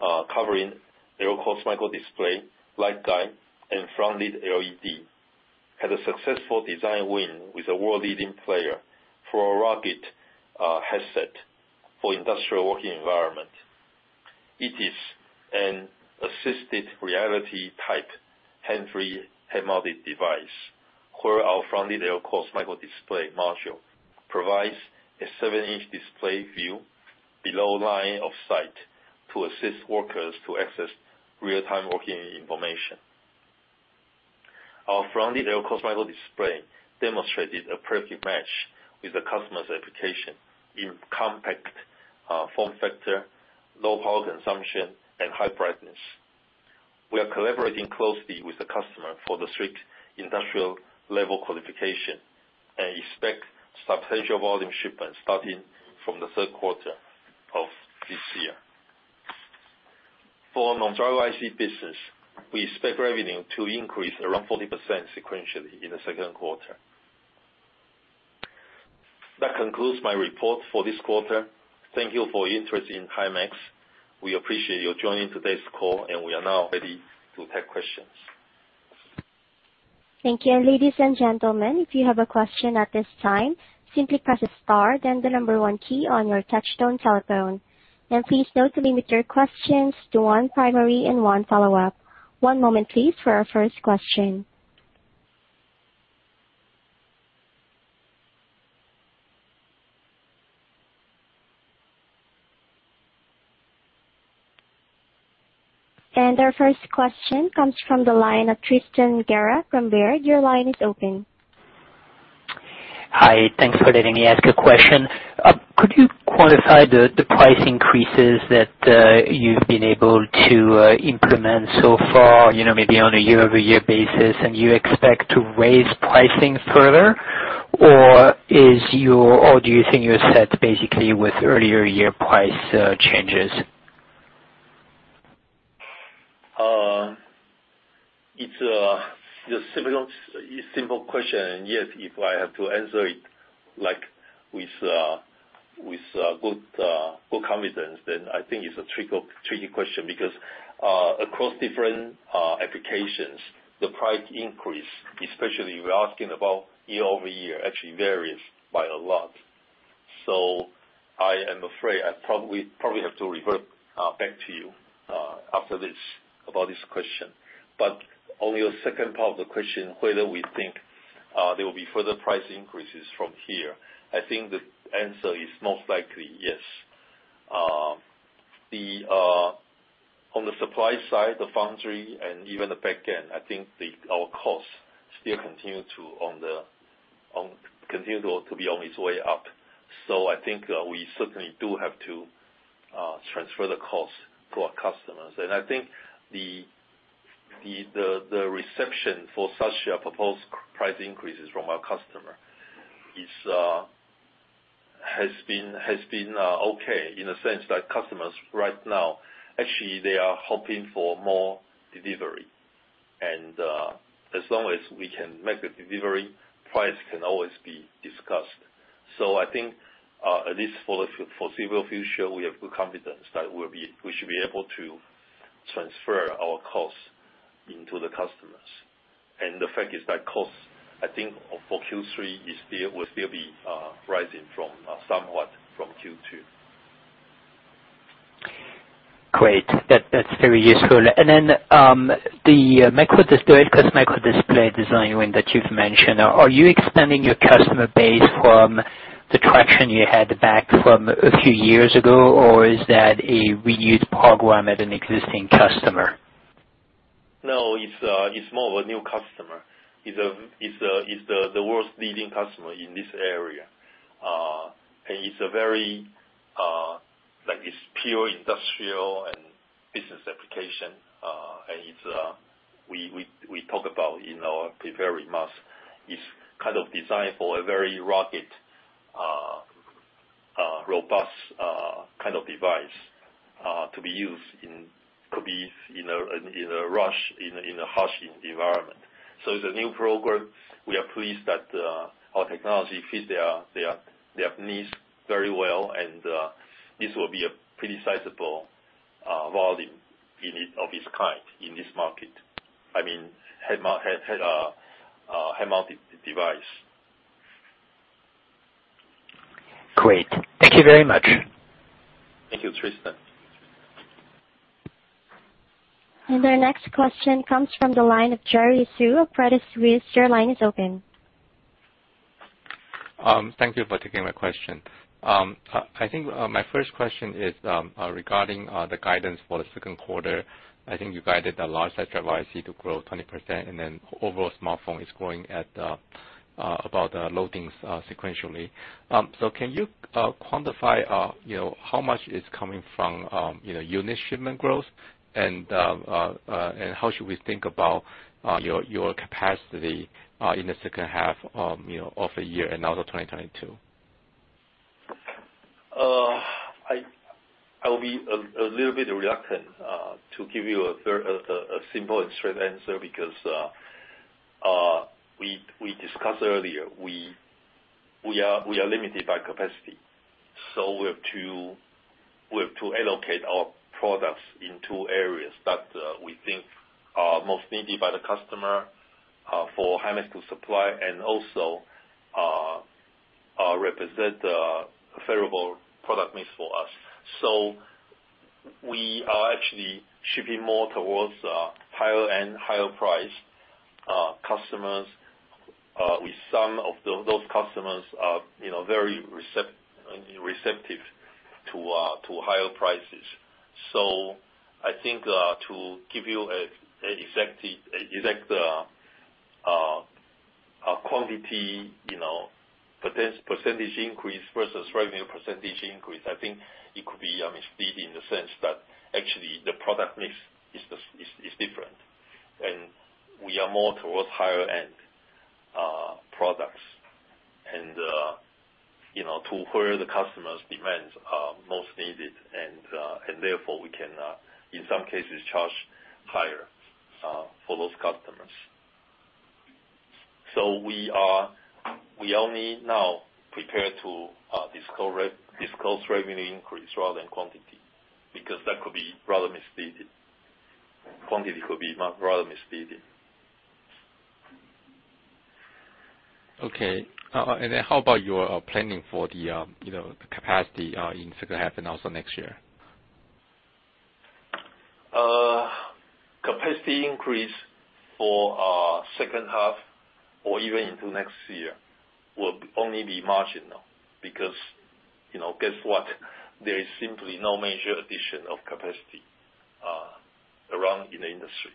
S4: LCOS microdisplay, light guide, and front-lit LED, had a successful design win with a world-leading player for a rugged headset for industrial working environment. It is an assisted reality type, hands-free, head-mounted device, where our front-lit LCOS microdisplay module provides a 7-inch display view below line of sight to assist workers to access real-time working information. Our front-lit LCOS microdisplay demonstrated a perfect match with the customer's application in compact form factor, low power consumption, and high brightness. We are collaborating closely with the customer for the strict industrial level qualification and expect substantial volume shipments starting from the third quarter of this year. For non-driver IC business, we expect revenue to increase around 40% sequentially in the second quarter. That concludes my report for this quarter. Thank you for your interest in Himax. We appreciate you joining today's call, and we are now ready to take questions.
S1: Thank you. Ladies and gentlemen, if you have a question at this time, simply press star then the number one key on your touchtone telephone. Please note to limit your questions to one primary and one follow-up. One moment please, for our first question. Our first question comes from the line of Tristan Gerra from Baird. Your line is open.
S5: Hi. Thanks for letting me ask a question. Could you quantify the price increases that you've been able to implement so far, maybe on a year-over-year basis, and you expect to raise pricing further? Do you think you're set, basically, with earlier year price changes?
S4: It's a simple question. Yes, if I have to answer it with good confidence, then I think it's a tricky question because, across different applications, the price increase, especially you're asking about year-over-year, actually varies by a lot. I am afraid I probably have to revert back to you, after this, about this question. On your second part of the question, whether we think there will be further price increases from here, I think the answer is most likely yes. On the supply side, the foundry and even the back end, I think our costs still continue to be on its way up. I think we certainly do have to transfer the cost to our customers. I think the reception for such a proposed price increases from our customer has been okay in a sense that customers, right now, actually they are hoping for more delivery. As long as we can make the delivery, price can always be discussed. I think, at least for the foreseeable future, we have good confidence that we should be able to transfer our costs into the customers. The fact is that costs, I think, for Q3 will still be rising somewhat from Q2.
S5: Great. That's very useful. The LCOS microdisplay design win that you've mentioned, are you expanding your customer base from the traction you had back from a few years ago, or is that a reuse program at an existing customer?
S4: No. It's more of a new customer. It's the world's leading customer in this area. It's pure industrial and business application. We talk about in our prepared remarks, it's designed for a very rugged, robust device, to be used in a harsh environment. It's a new program. We are pleased that our technology fit their needs very well. This will be a pretty sizable volume of its kind in this market. I mean, head-mounted device.
S5: Great. Thank you very much.
S4: Thank you, Tristan.
S1: Our next question comes from the line of Jerry Su of Credit Suisse. Your line is open.
S6: Thank you for taking my question. I think my first question is regarding the guidance for the second quarter. I think you guided the large driver IC to grow 20%, overall smartphone is growing at about low-teens sequentially. Can you quantify how much is coming from unit shipment growth? How should we think about your capacity in the second half of the year and also 2022?
S4: I will be a little bit reluctant to give you a simple and straight answer because we discussed earlier, we are limited by capacity. We have to allocate our products in two areas that we think are most needed by the customer for Himax to supply, and also represent the favorable product mix for us. I think to give you an exact quantity, percentage increase versus revenue percentage increase, I think it could be misleading in the sense that actually the product mix is different. We are more towards higher-end products and to where the customer's demands are most needed, and therefore we can, in some cases, charge higher for those customers. We are only now prepared to disclose revenue increase rather than quantity, because that could be rather misleading. Quantity could be rather misleading.
S6: Okay. How about your planning for the capacity in second half and also next year?
S4: Capacity increase for second half or even into next year will only be marginal because, guess what? There is simply no major addition of capacity around in the industries.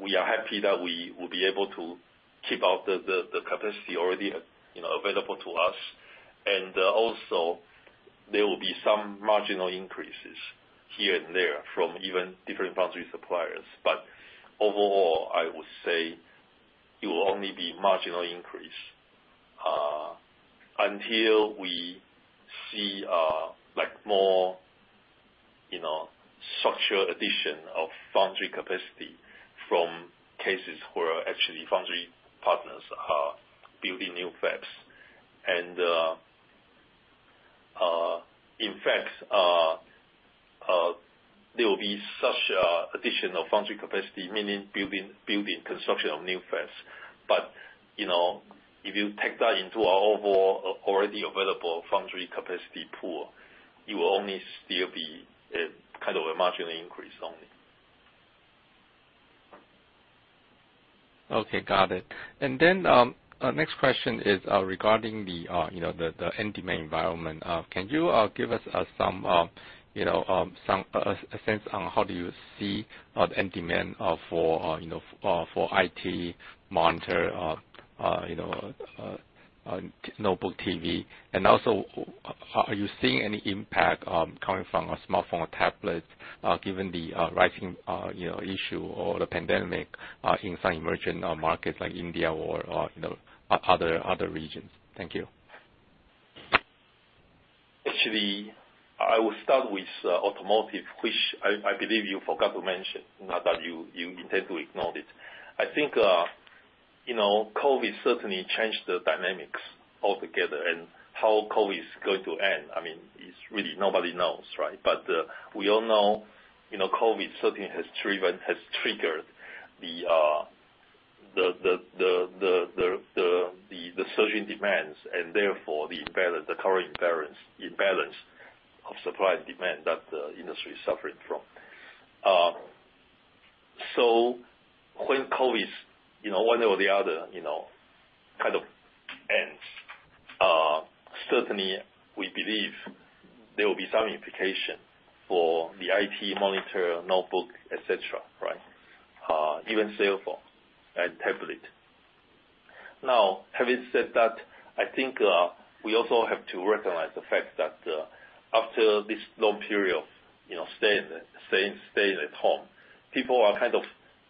S4: We are happy that we will be able to keep up the capacity already available to us. Also there will be some marginal increases here and there from even different foundry suppliers. Overall, I would say it will only be marginal increase, until we see more structural addition of foundry capacity from cases where actually foundry partners are building new fabs. In fact, there will be such addition of foundry capacity, meaning building construction of new fabs. If you take that into our overall already available foundry capacity pool, you will only still be at kind of a marginal increase only.
S6: Okay, got it. Then, next question is regarding the end demand environment. Can you give us a sense on how do you see end demand for IT, monitor, notebook, TV, and also, are you seeing any impact coming from smartphone or tablets, given the rising issue or the pandemic in some emerging markets like India or other regions? Thank you.
S4: Actually, I will start with automotive, which I believe you forgot to mention. Not that you intend to ignore it. I think, COVID certainly changed the dynamics altogether, and how COVID is going to end, really, nobody knows, right? We all know COVID certainly has triggered the surging demands and therefore the current imbalance of supply and demand that the industry is suffering from. When COVID, one way or the other, kind of ends, certainly we believe there will be some implication for the IT, monitor, notebook, et cetera, even cell phone and tablet, right? Having said that, I think we also have to recognize the fact that after this long period of staying at home, people are kind of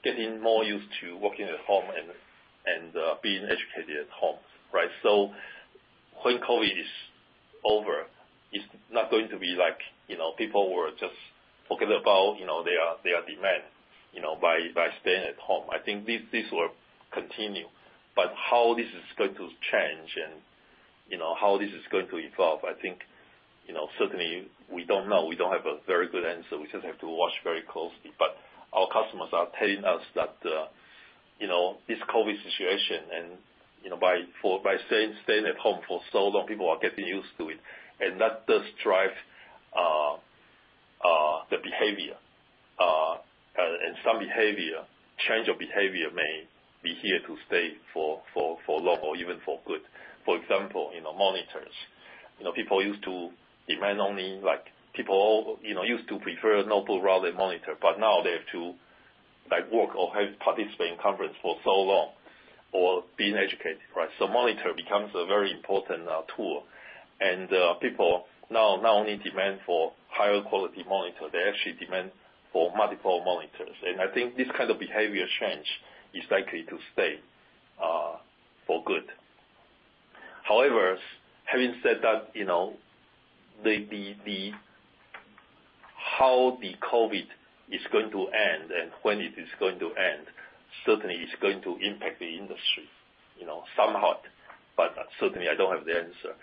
S4: getting more used to working at home and being educated at home, right? When COVID is over, it's not going to be like people were just talking about their demand by staying at home. I think this will continue, but how this is going to change and how this is going to evolve, I think certainly we don't know. We don't have a very good answer. We just have to watch very closely. Our customers are telling us that this COVID situation and by staying at home for so long, people are getting used to it, and that does drive the behavior. Some behavior, change of behavior may be here to stay for long or even for good. For example, monitors. People used to demand only, like, people used to prefer notebook rather than monitor, but now they have to work or participate in conference for so long, or being educated, right? Monitor becomes a very important tool. People now not only demand for higher quality monitor, they actually demand for multiple monitors. I think this kind of behavior change is likely to stay for good. However, having said that, how the COVID is going to end and when it is going to end, certainly is going to impact the industry, somehow. Certainly, I don't have the answer.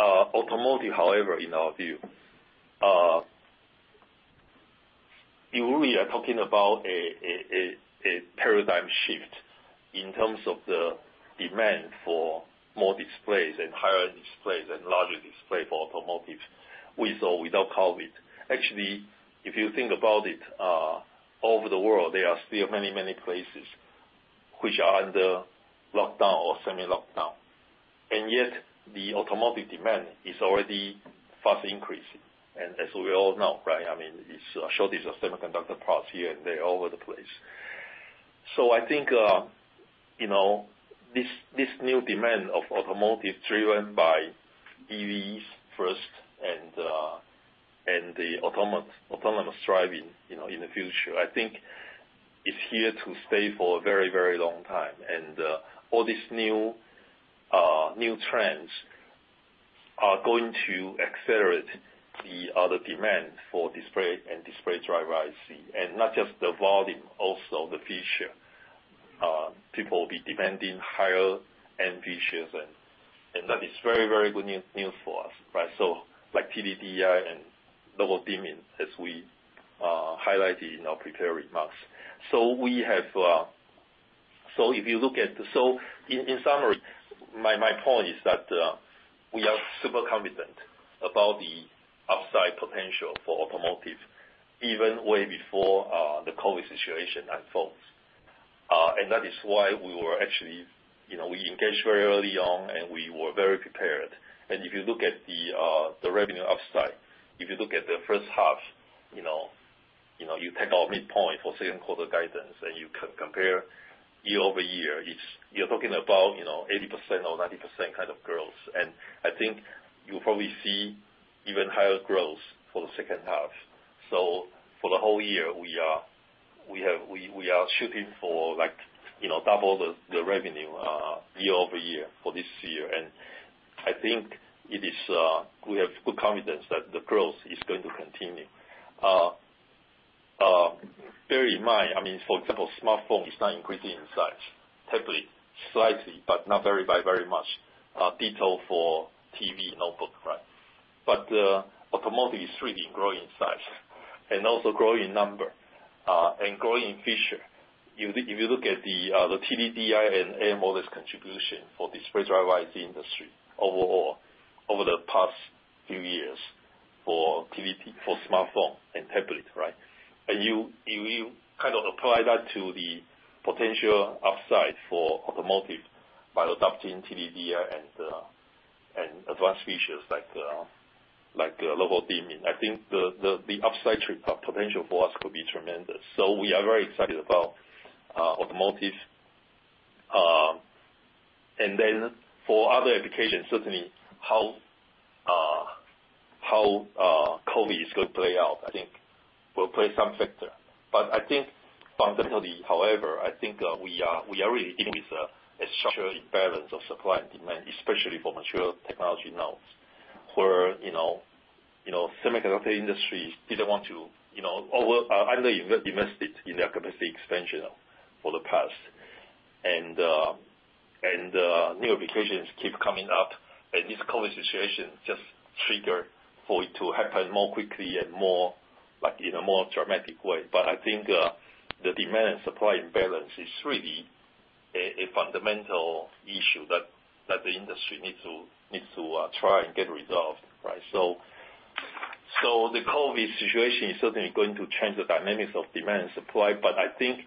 S4: Automotive, however, in our view, you really are talking about a paradigm shift in terms of the demand for more displays and higher displays and larger display for automotive, with or without COVID. Actually, if you think about it, over the world, there are still many places which are under lockdown or semi-lockdown. Yet the automotive demand is already fast increasing. As we all know, right, there's a shortage of semiconductor parts here and there all over the place. I think, this new demand of automotive driven by EVs first and the autonomous driving, in the future, I think is here to stay for a very long time. All these new trends are going to accelerate the other demand for display and display driver IC. Not just the volume, also the feature. People will be demanding higher end features and that is very good news for us, right? Like TDDI and local dimming, as we highlighted in our prepared remarks. In summary, my point is that, we are super confident about the upside potential for automotive, even way before the COVID situation unfolds. That is why we engaged very early on, and we were very prepared. If you look at the revenue upside, if you look at the first half, you take our midpoint for second quarter guidance, you can compare year-over-year, you're talking about 80% or 90% kind of growth. I think you'll probably see even higher growth for the second half. For the whole year, we are shooting for double the revenue, year-over-year for this year. I think we have good confidence that the growth is going to continue. Bear in mind, for example, smartphone is not increasing in size. Tablet, slightly, but not by very much. Ditto for TV and notebook, right? Automotive is really growing in size and also growing in number, and growing in feature. If you look at the TDDI and AMOLED contribution for display driver IC industry overall, over the past few years for smartphone and tablet, right? You kind of apply that to the potential upside for automotive by adopting TDDI and advanced features like local dimming. I think the upside potential for us could be tremendous. We are very excited about automotive. Then for other applications, certainly how COVID is going to play out, I think, will play some factor. Fundamentally, however, I think we are really dealing with a structural imbalance of supply and demand, especially for mature technology now, where semiconductor industry didn't want to under-invest it in their capacity expansion for the past. New applications keep coming up, and this COVID situation just trigger for it to happen more quickly and in a more dramatic way. I think the demand and supply imbalance is really a fundamental issue that the industry needs to try and get resolved, right? The COVID situation is certainly going to change the dynamics of demand and supply, but I think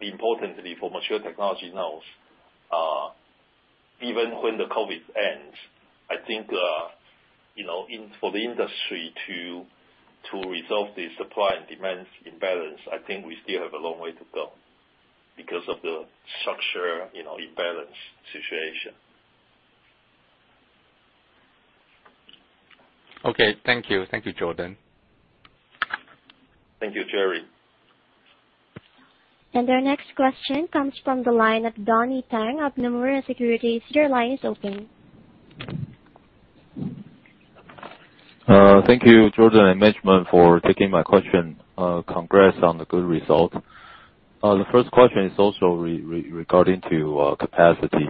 S4: importantly for mature technology now, even when the COVID ends, I think for the industry to resolve the supply and demand imbalance, I think we still have a long way to go because of the structural imbalance situation.
S6: Okay. Thank you. Thank you, Jordan.
S4: Thank you, Jerry.
S1: Our next question comes from the line of Donnie Teng of Nomura Securities. Your line is open.
S7: Thank you, Jordan and management, for taking my question. Congrats on the good result. The first question is also regarding to capacity.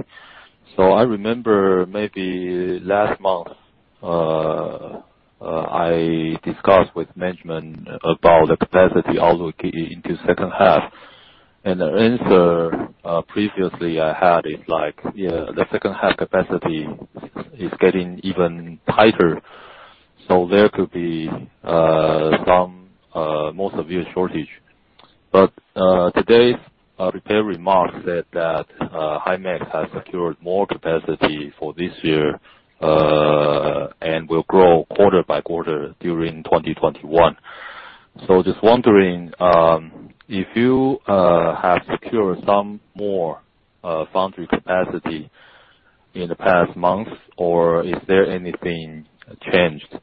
S7: I remember maybe last month, I discussed with management about the capacity outlook into second half, and the answer previously I had is the second half capacity is getting even tighter, so there could be more severe shortage. Today's prepared remarks said that Himax has secured more capacity for this year, and will grow quarter-by-quarter during 2021. Just wondering, if you have secured some more foundry capacity in the past months, or is there anything changed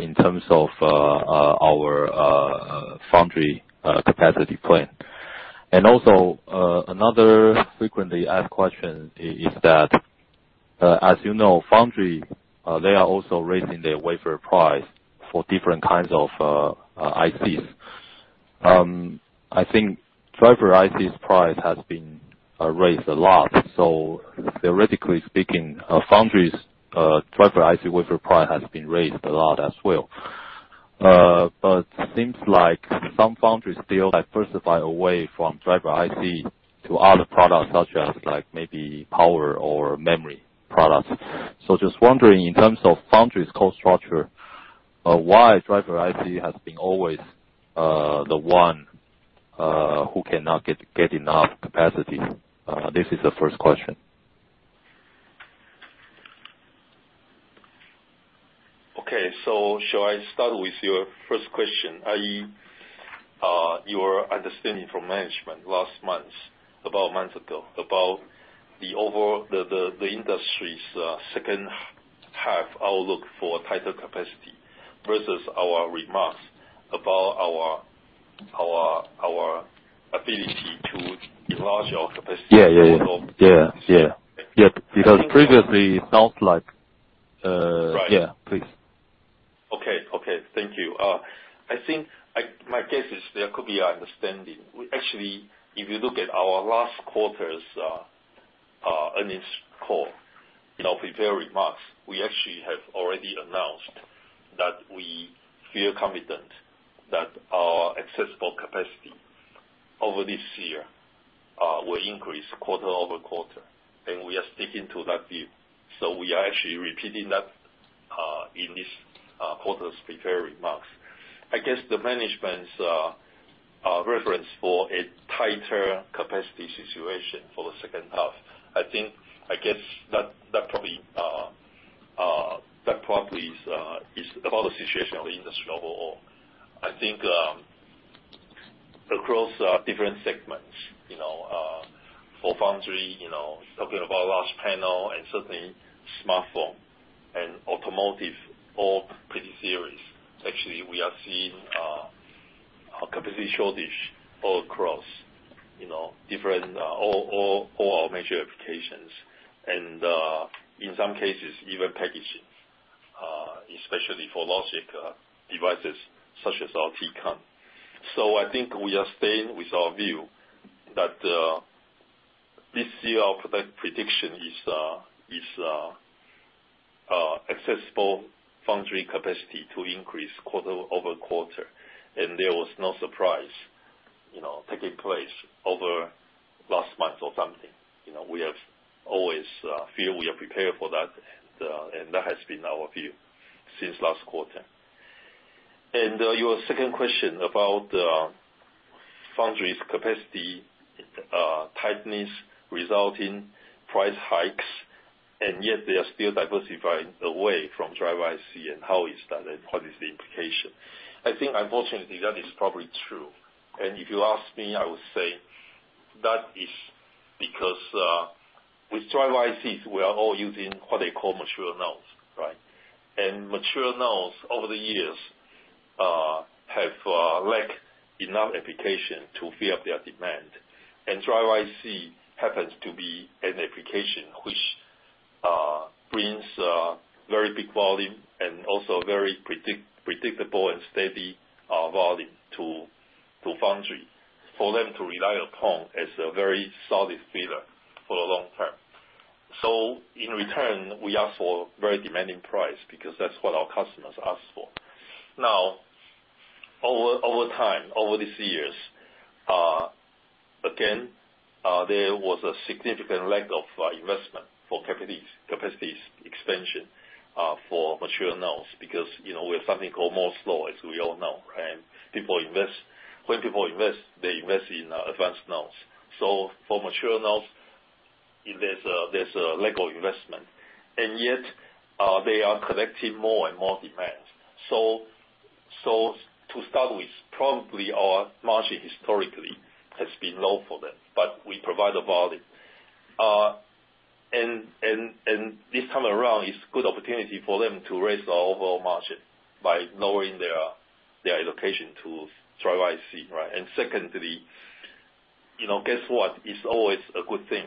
S7: in terms of our foundry capacity plan? Also, another frequently asked question is that, as you know, foundry, they are also raising their wafer price for different kinds of ICs. I think driver ICs price has been raised a lot. Theoretically speaking, foundry's driver IC wafer price has been raised a lot as well. Seems like some foundries still diversify away from driver IC to other products, such as maybe power or memory products. Just wondering, in terms of foundry's cost structure, why driver IC has been always the one who cannot get enough capacity? This is the first question.
S4: Okay. Shall I start with your first question, i.e., your understanding from management last month, about a month ago, about the industry's second half outlook for tighter capacity versus our remarks about our ability to enlarge our capacity?
S7: Yeah. Previously.
S4: Right.
S7: Yeah. Please.
S4: Okay. Thank you. I think, my guess is there could be an understanding. Actually, if you look at our last quarter's earnings call, prepared remarks, we actually have already announced that we feel confident that our accessible capacity over this year will increase quarter-over-quarter, and we are sticking to that view. We are actually repeating that in this quarter's prepared remarks. I guess the management's reference for a tighter capacity situation for the second half, I think, I guess that probably is about the situation of the industry overall. I think, across different segments. For foundry, talking about large panel and certainly smartphone and automotive, all pretty serious. Actually, we are seeing a capacity shortage all across, all major applications. In some cases, even packaging, especially for logic devices such as our TCON. I think we are staying with our view that, this year our prediction is accessible foundry capacity to increase quarter-over-quarter. There was no surprise taking place over last month or something. We have always feel we are prepared for that, and that has been our view since last quarter. Your second question about foundry's capacity tightness resulting price hikes, and yet they are still diversifying away from driver IC, and how is that, and what is the implication? I think unfortunately, that is probably true. If you ask me, I would say that is because, with driver ICs, we are all using what they call mature nodes. Right? Mature nodes over the years, have lacked enough application to fill up their demand. Driver IC happens to be an application which brings very big volume and also very predictable and steady volume to foundry for them to rely upon as a very solid feeder for a long time. In return, we ask for very demanding price because that's what our customers ask for. Over time, over these years, again, there was a significant lack of investment for capacities expansion, for mature nodes because, we have something called Moore's law, as we all know, right? When people invest, they invest in advanced nodes. So for mature nodes, there's a lack of investment. Yet, they are collecting more and more demands. To start with, probably our margin historically has been low for them, but we provide the volume. And this time around, it's good opportunity for them to raise the overall margin by lowering their allocation to driver IC. Right? Secondly, guess what? It's always a good thing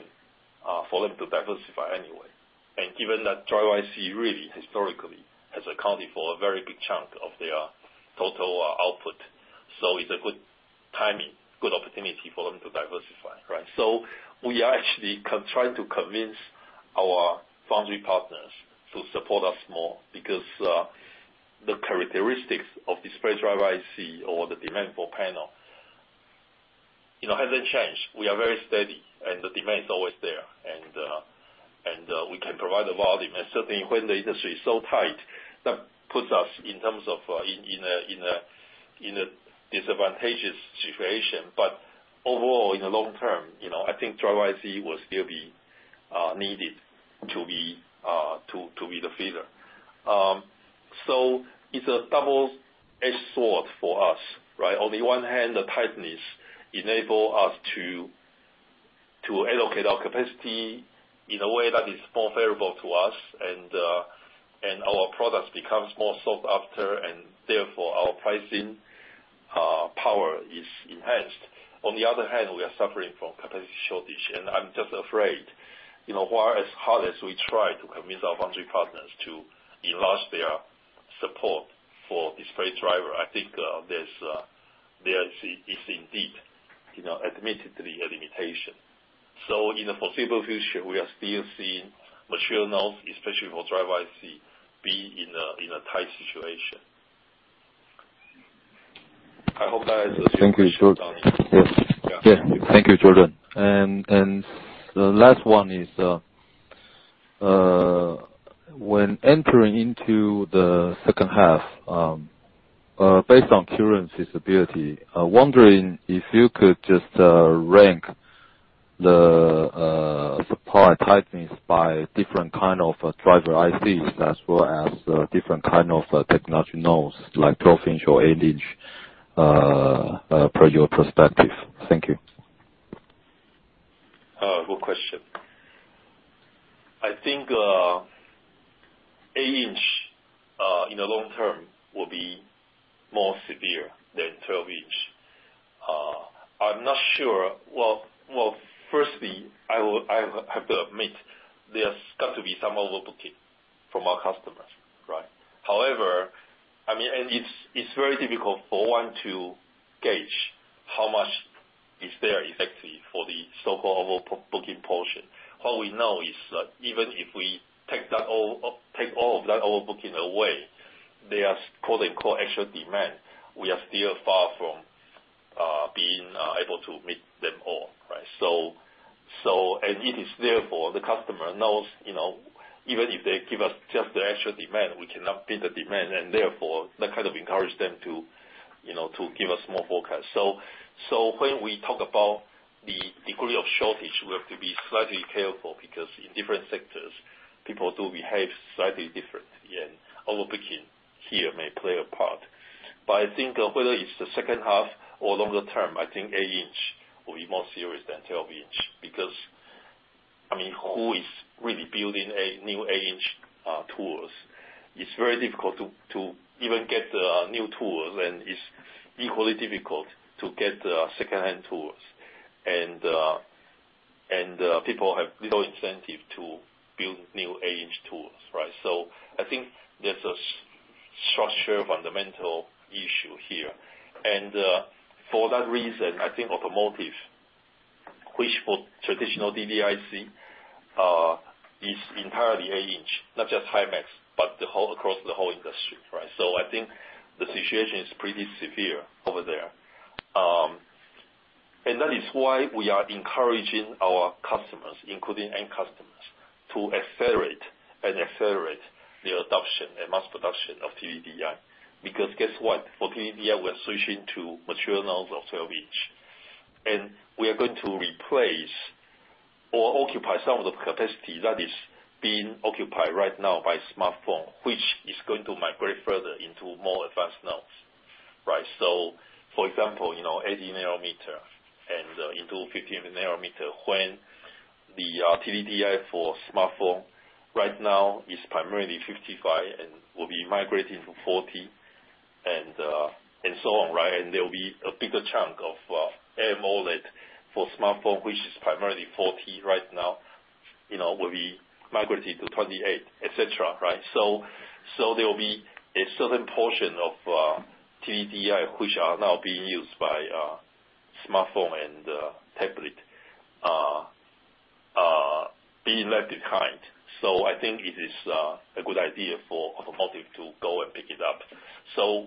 S4: for them to diversify anyway. Given that driver IC really historically has accounted for a very big chunk of their total output. It's a good timing, good opportunity for them to diversify, right? We are actually trying to convince our foundry partners to support us more because the characteristics of display driver IC or the demand for panel hasn't changed. We are very steady, and the demand is always there. We can provide the volume. Certainly when the industry is so tight, that puts us in terms of, in a disadvantageous situation. Overall, in the long term, I think driver IC will still be needed to be the feeder. It's a double-edged sword for us, right? On the one hand, the tightness enable us to allocate our capacity in a way that is more favorable to us, and our product becomes more sought after, and therefore, our pricing power is enhanced. On the other hand, we are suffering from capacity shortage. I'm just afraid, as hard as we try to convince our foundry partners to enlarge their support for display driver, I think there is indeed, admittedly, a limitation. In the foreseeable future, we are still seeing mature nodes, especially for driver IC, be in a tight situation.
S7: Thank you, Jordan.
S4: Yeah.
S7: Yeah. Thank you, Jordan. The last one is, when entering into the second half, based on current visibility, wondering if you could just rank the supply tightness by different kind of driver ICs as well as different kind of technology nodes, like 12-inch or 8-inch, per your perspective. Thank you.
S4: Good question. I think eight-inch, in the long term, will be more severe than 12-inch. I'm not sure. Well, firstly, I have to admit, there's got to be some overbooking from our customers, right? However, it's very difficult for one to gauge how much is there exactly for the so-called overbooking portion. What we know is that even if we take all of that overbooking away, there's quote unquote "extra demand," we are still far from being able to meet them all, right? As it is, therefore, the customer knows, even if they give us just the extra demand, we cannot meet the demand, and therefore, that kind of encourage them to give us more forecast. When we talk about the degree of shortage, we have to be slightly careful, because in different sectors, people do behave slightly different. Overbooking here may play a part. I think whether it's the second half or longer term, I think eight-inch will be more serious than 12-inch, because, I mean, who is really building new eight-inch tools? It's very difficult to even get the new tools, it's equally difficult to get the secondhand tools. People have little incentive to build new eight-inch tools, right? I think there's a structural fundamental issue here. For that reason, I think automotive, which for traditional DDIC, is entirely eight-inch, not just Himax, but across the whole industry, right? I think the situation is pretty severe over there. That is why we are encouraging our customers, including end customers, to accelerate the adoption and mass production of TDDI. Because guess what? For TDDI, we're switching to material nodes of 12-inch, and we are going to replace or occupy some of the capacity that is being occupied right now by smartphone, which is going to migrate further into more advanced nodes. Right. For example, 80 nanometer and into 50 nanometer, when the TDDI for smartphone right now is primarily 55 and will be migrating from 40, and so on, right? There will be a bigger chunk of AMOLED for smartphone, which is primarily 40 right now, will be migrating to 28, et cetera, right? There will be a certain portion of TDDI, which are now being used by smartphone and tablet, being left behind. I think it is a good idea for automotive to go and pick it up.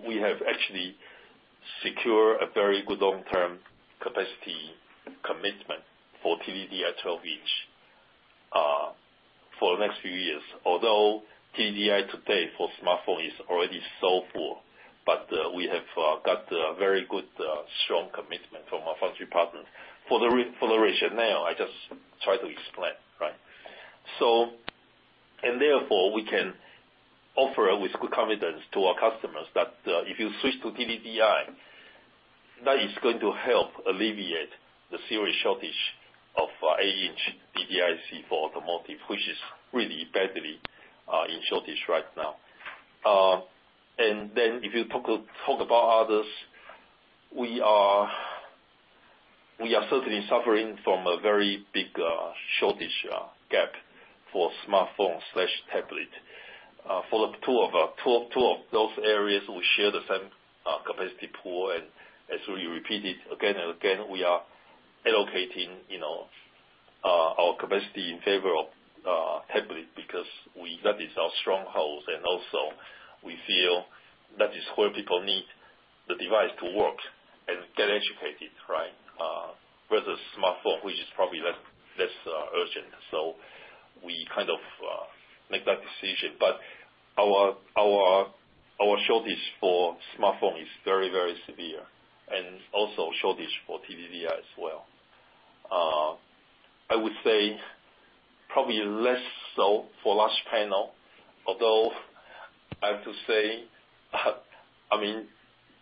S4: We have actually secure a very good long-term capacity commitment for TDDI 12-inch, for the next few years. TDDI today for smartphone is already so full, we have got a very good, strong commitment from our foundry partner for the reason now I just try to explain, right? Therefore, we can offer with good confidence to our customers that, if you switch to TDDI, that is going to help alleviate the serious shortage of eight-inch DDIC for automotive, which is really badly in shortage right now. If you talk about others, we are certainly suffering from a very big shortage gap for smartphone/tablet. For the two of those areas, we share the same capacity pool, as we repeat it again and again, we are allocating our capacity in favor of tablet, because that is our stronghold. We feel that is where people need the device to work, get educated, with a smartphone, which is probably less urgent. We make that decision. Our shortage for smartphone is very, very severe. Also shortage for TDDI as well. Although, I have to say,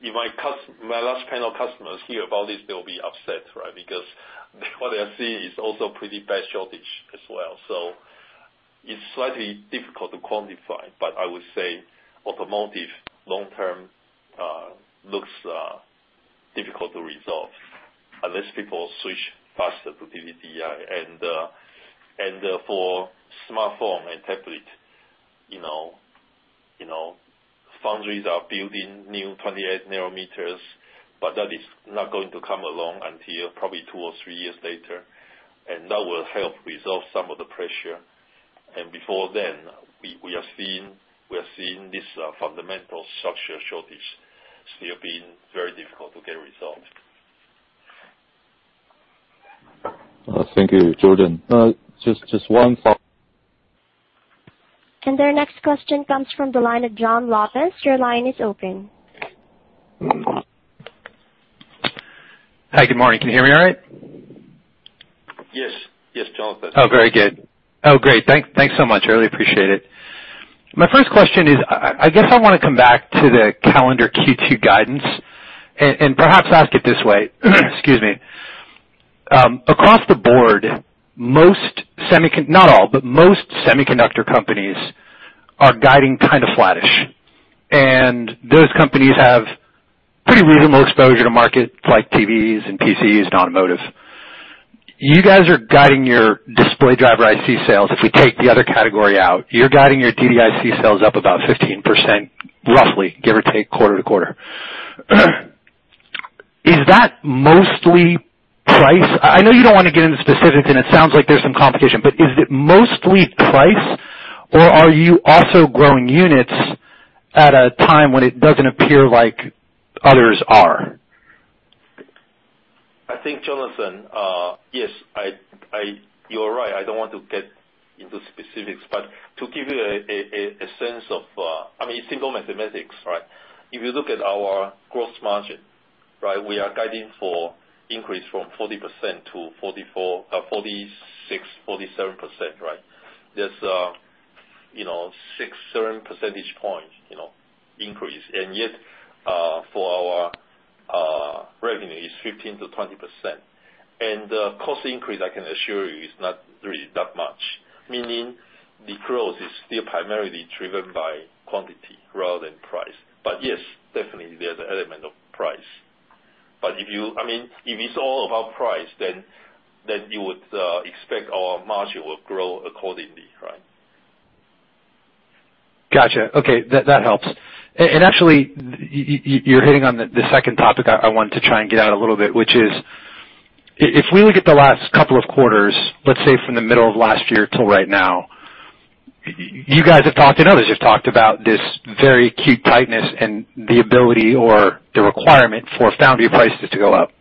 S4: if my large panel customers hear about this, they'll be upset. Because what they are seeing is also pretty bad shortage as well. It's slightly difficult to quantify, but I would say automotive long-term, looks difficult to resolve unless people switch faster to TDDI. For smartphone and tablet, foundries are building new 28 nanometers, but that is not going to come along until probably two or three years later. That will help resolve some of the pressure. Before then, we are seeing this fundamental structural shortage still being very difficult to get resolved.
S7: Thank you, Jordan. Just one follow-up.
S1: Our next question comes from the line of Jon Lopez. Your line is open.
S8: Hi. Good morning. Can you hear me all right?
S4: Yes, Jon.
S8: Oh, very good. Oh, great. Thanks so much. I really appreciate it. My first question is, I guess I want to come back to the calendar Q2 guidance, and perhaps ask it this way. Excuse me. Across the board, not all, but most semiconductor companies are guiding kind of flattish. Those companies have pretty reasonable exposure to markets like TVs and PCs and automotive. You guys are guiding your display driver IC sales. If we take the other category out, you're guiding your DDIC sales up about 15%, roughly, give or take, quarter-to-quarter. Is that mostly price? I know you don't want to get into specifics, and it sounds like there's some competition, but is it mostly price, or are you also growing units at a time when it doesn't appear like others are?
S4: I think, Jonathan, yes. You are right. I don't want to get into specifics. It's simple mathematics. If you look at our gross margin, we are guiding for increase from 40% -46%, 47%. There's six, seven percentage points increase. Yet, for our revenue is 15%-20%. Cost increase, I can assure you, is not really that much. Meaning the growth is still primarily driven by quantity rather than price. Yes, definitely there's an element of price. If it's all about price, then you would expect our margin will grow accordingly, right?
S8: Got you. Okay. That helps. Actually, you're hitting on the second topic I wanted to try and get at a little bit, which is, if we look at the last couple of quarters, let's say from the middle of last year till right now, you guys have talked, and others have talked about this very acute tightness and the ability or the requirement for foundry prices to go up.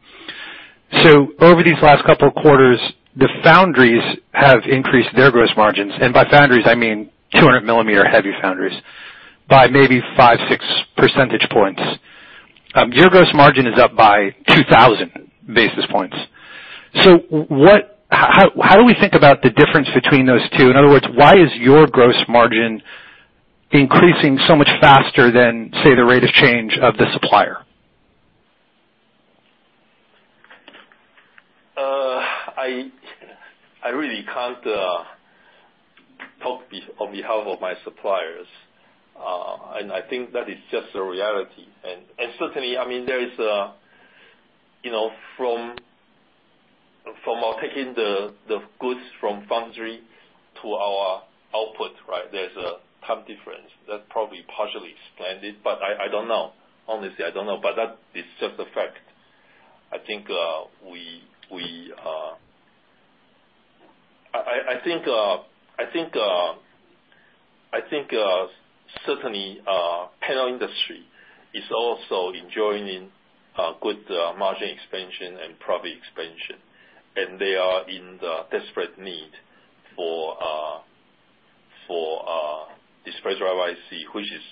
S8: Over these last couple of quarters, the foundries have increased their gross margins. By foundries, I mean 200 millimeter heavy foundries, by maybe five, six percentage points. Your gross margin is up by 2,000 basis points. How do we think about the difference between those two? In other words, why is your gross margin increasing so much faster than, say, the rate of change of the supplier?
S4: I really can't talk on behalf of my suppliers. I think that is just a reality. Certainly, from our taking the goods from foundry to our output, there's a time difference that probably partially explained it, but I don't know. Honestly, I don't know. That is just a fact. I think, certainly, panel industry is also enjoying good margin expansion and profit expansion. They are in the desperate need for display driver IC, which is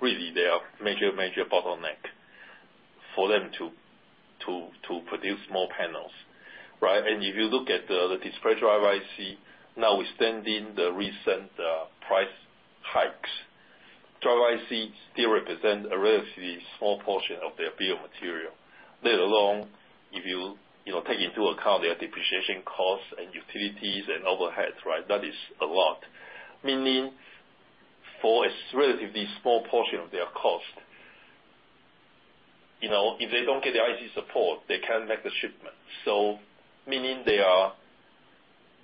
S4: really their major bottleneck for them to produce more panels. If you look at the display driver IC, now we stand in the recent price hikes. Driver IC still represent a relatively small portion of their bill of material. Let alone if you take into account their depreciation costs and utilities and overheads. That is a lot. Meaning for a relatively small portion of their cost, if they don't get the IC support, they can't make the shipment. Meaning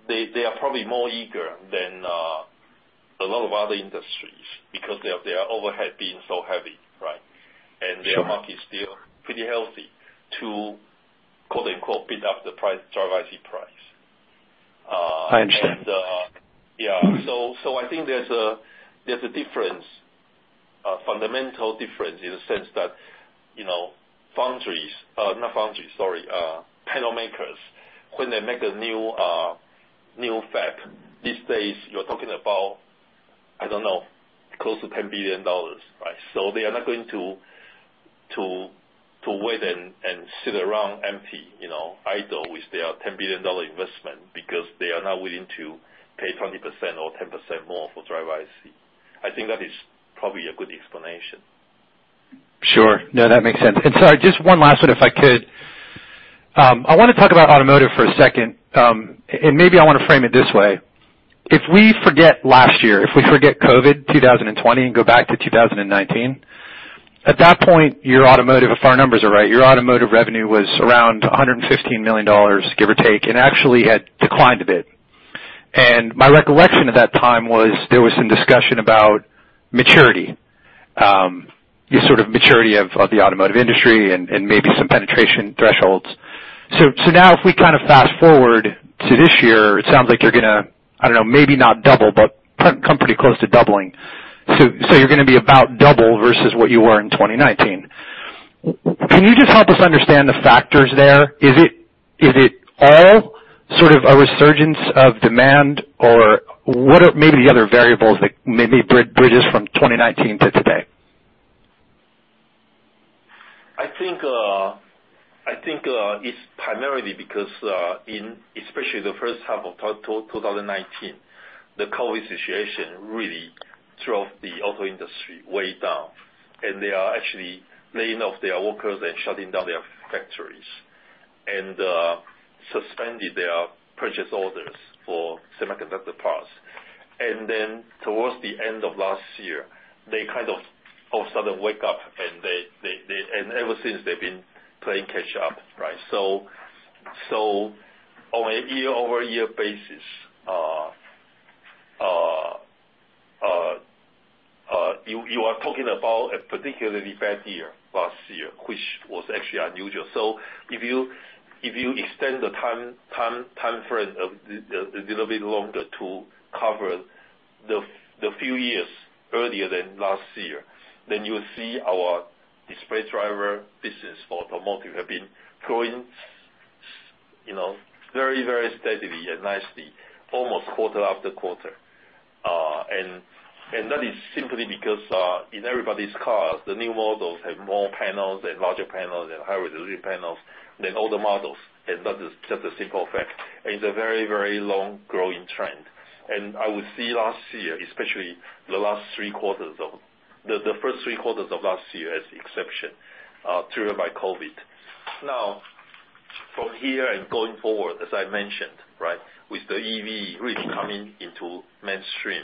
S4: they are probably more eager than a lot of other industries because of their overhead being so heavy.
S8: Sure.
S4: Their market is still pretty healthy to "bid up" the driver IC price.
S8: I understand.
S4: I think there's a fundamental difference in the sense that panel makers, when they make a new fab, these days, you're talking about, I don't know, close to $10 billion, right? They are not going to wait and sit around empty, idle with their $10 billion investment, because they are not willing to pay 20% or 10% more for driver IC. I think that is probably a good explanation.
S8: Sure. No, that makes sense. Sorry, just one last one if I could. I want to talk about automotive for a second, and maybe I want to frame it this way. If we forget last year, if we forget COVID 2020 and go back to 2019, at that point, if our numbers are right, your automotive revenue was around $115 million, give or take, and actually had declined a bit. My recollection at that time was there was some discussion about maturity. The sort of maturity of the automotive industry and maybe some penetration thresholds. Now if we fast-forward to this year, it sounds like you're going to, I don't know, maybe not double, but come pretty close to doubling. You're going to be about double versus what you were in 2019. Can you just help us understand the factors there? Is it all sort of a resurgence of demand or what are maybe the other variables that maybe bridges from 2019 to today?
S4: I think it's primarily because, especially the first half of 2019, the COVID situation really drove the auto industry way down. They are actually laying off their workers and shutting down their factories, and suspended their purchase orders for semiconductor parts. Towards the end of last year, they kind of all of a sudden wake up, and ever since they've been playing catch up, right? On a year-over-year basis, you are talking about a particularly bad year last year, which was actually unusual. If you extend the time frame a little bit longer to cover the few years earlier than last year, you'll see our display driver business for automotive have been growing very steadily and nicely, almost quarter after quarter. That is simply because, in everybody's cars, the new models have more panels and larger panels and higher resolution panels than older models. That is just a simple fact. It's a very long-growing trend. I would see last year, especially the first three quarters of last year as the exception, triggered by COVID. From here and going forward, as I mentioned, with the EV really coming into mainstream.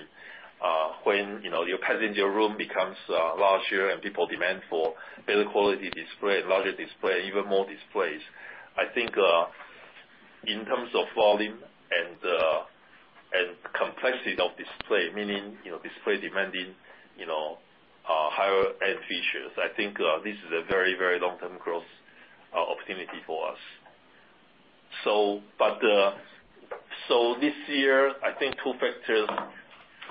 S4: When your passenger room becomes larger and people demand for better quality display and larger display, even more displays. I think, in terms of volume and complexity of display, meaning display demanding higher-end features. I think this is a very long-term growth opportunity for us. So this year, I think two factors.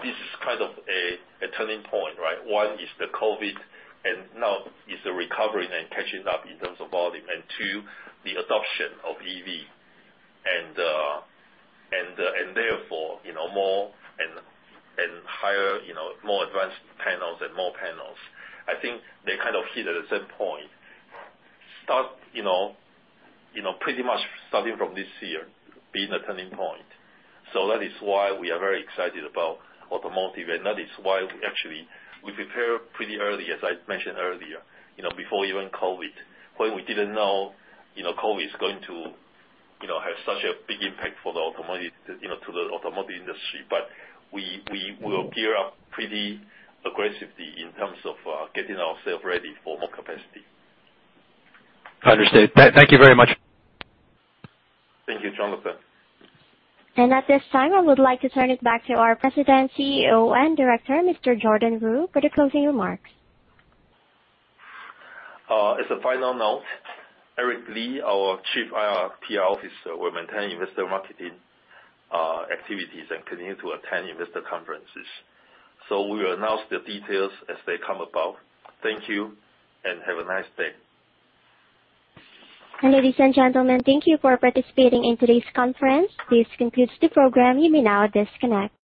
S4: This is kind of a turning point, right? One is the COVID, and now is the recovery and catching up in terms of volume. Two, the adoption of EV and therefore more and higher, more advanced panels and more panels. I think they kind of hit at a certain point. Pretty much starting from this year, being a turning point. That is why we are very excited about automotive, and that is why we actually prepare pretty early, as I mentioned earlier. Before even COVID, when we didn't know COVID is going to have such a big impact to the automotive industry. We will gear up pretty aggressively in terms of getting ourselves ready for more capacity.
S8: Understood. Thank you very much.
S4: Thank you, Jonathan.
S1: At this time, I would like to turn it back to our President, CEO, and Director, Mr. Jordan Wu, for the closing remarks.
S4: As a final note, Eric Li, our Chief IR/PR Officer, will maintain investor marketing activities and continue to attend investor conferences. We will announce the details as they come about. Thank you, and have a nice day.
S1: Ladies and gentlemen, thank you for participating in today's conference. This concludes the program. You may now disconnect.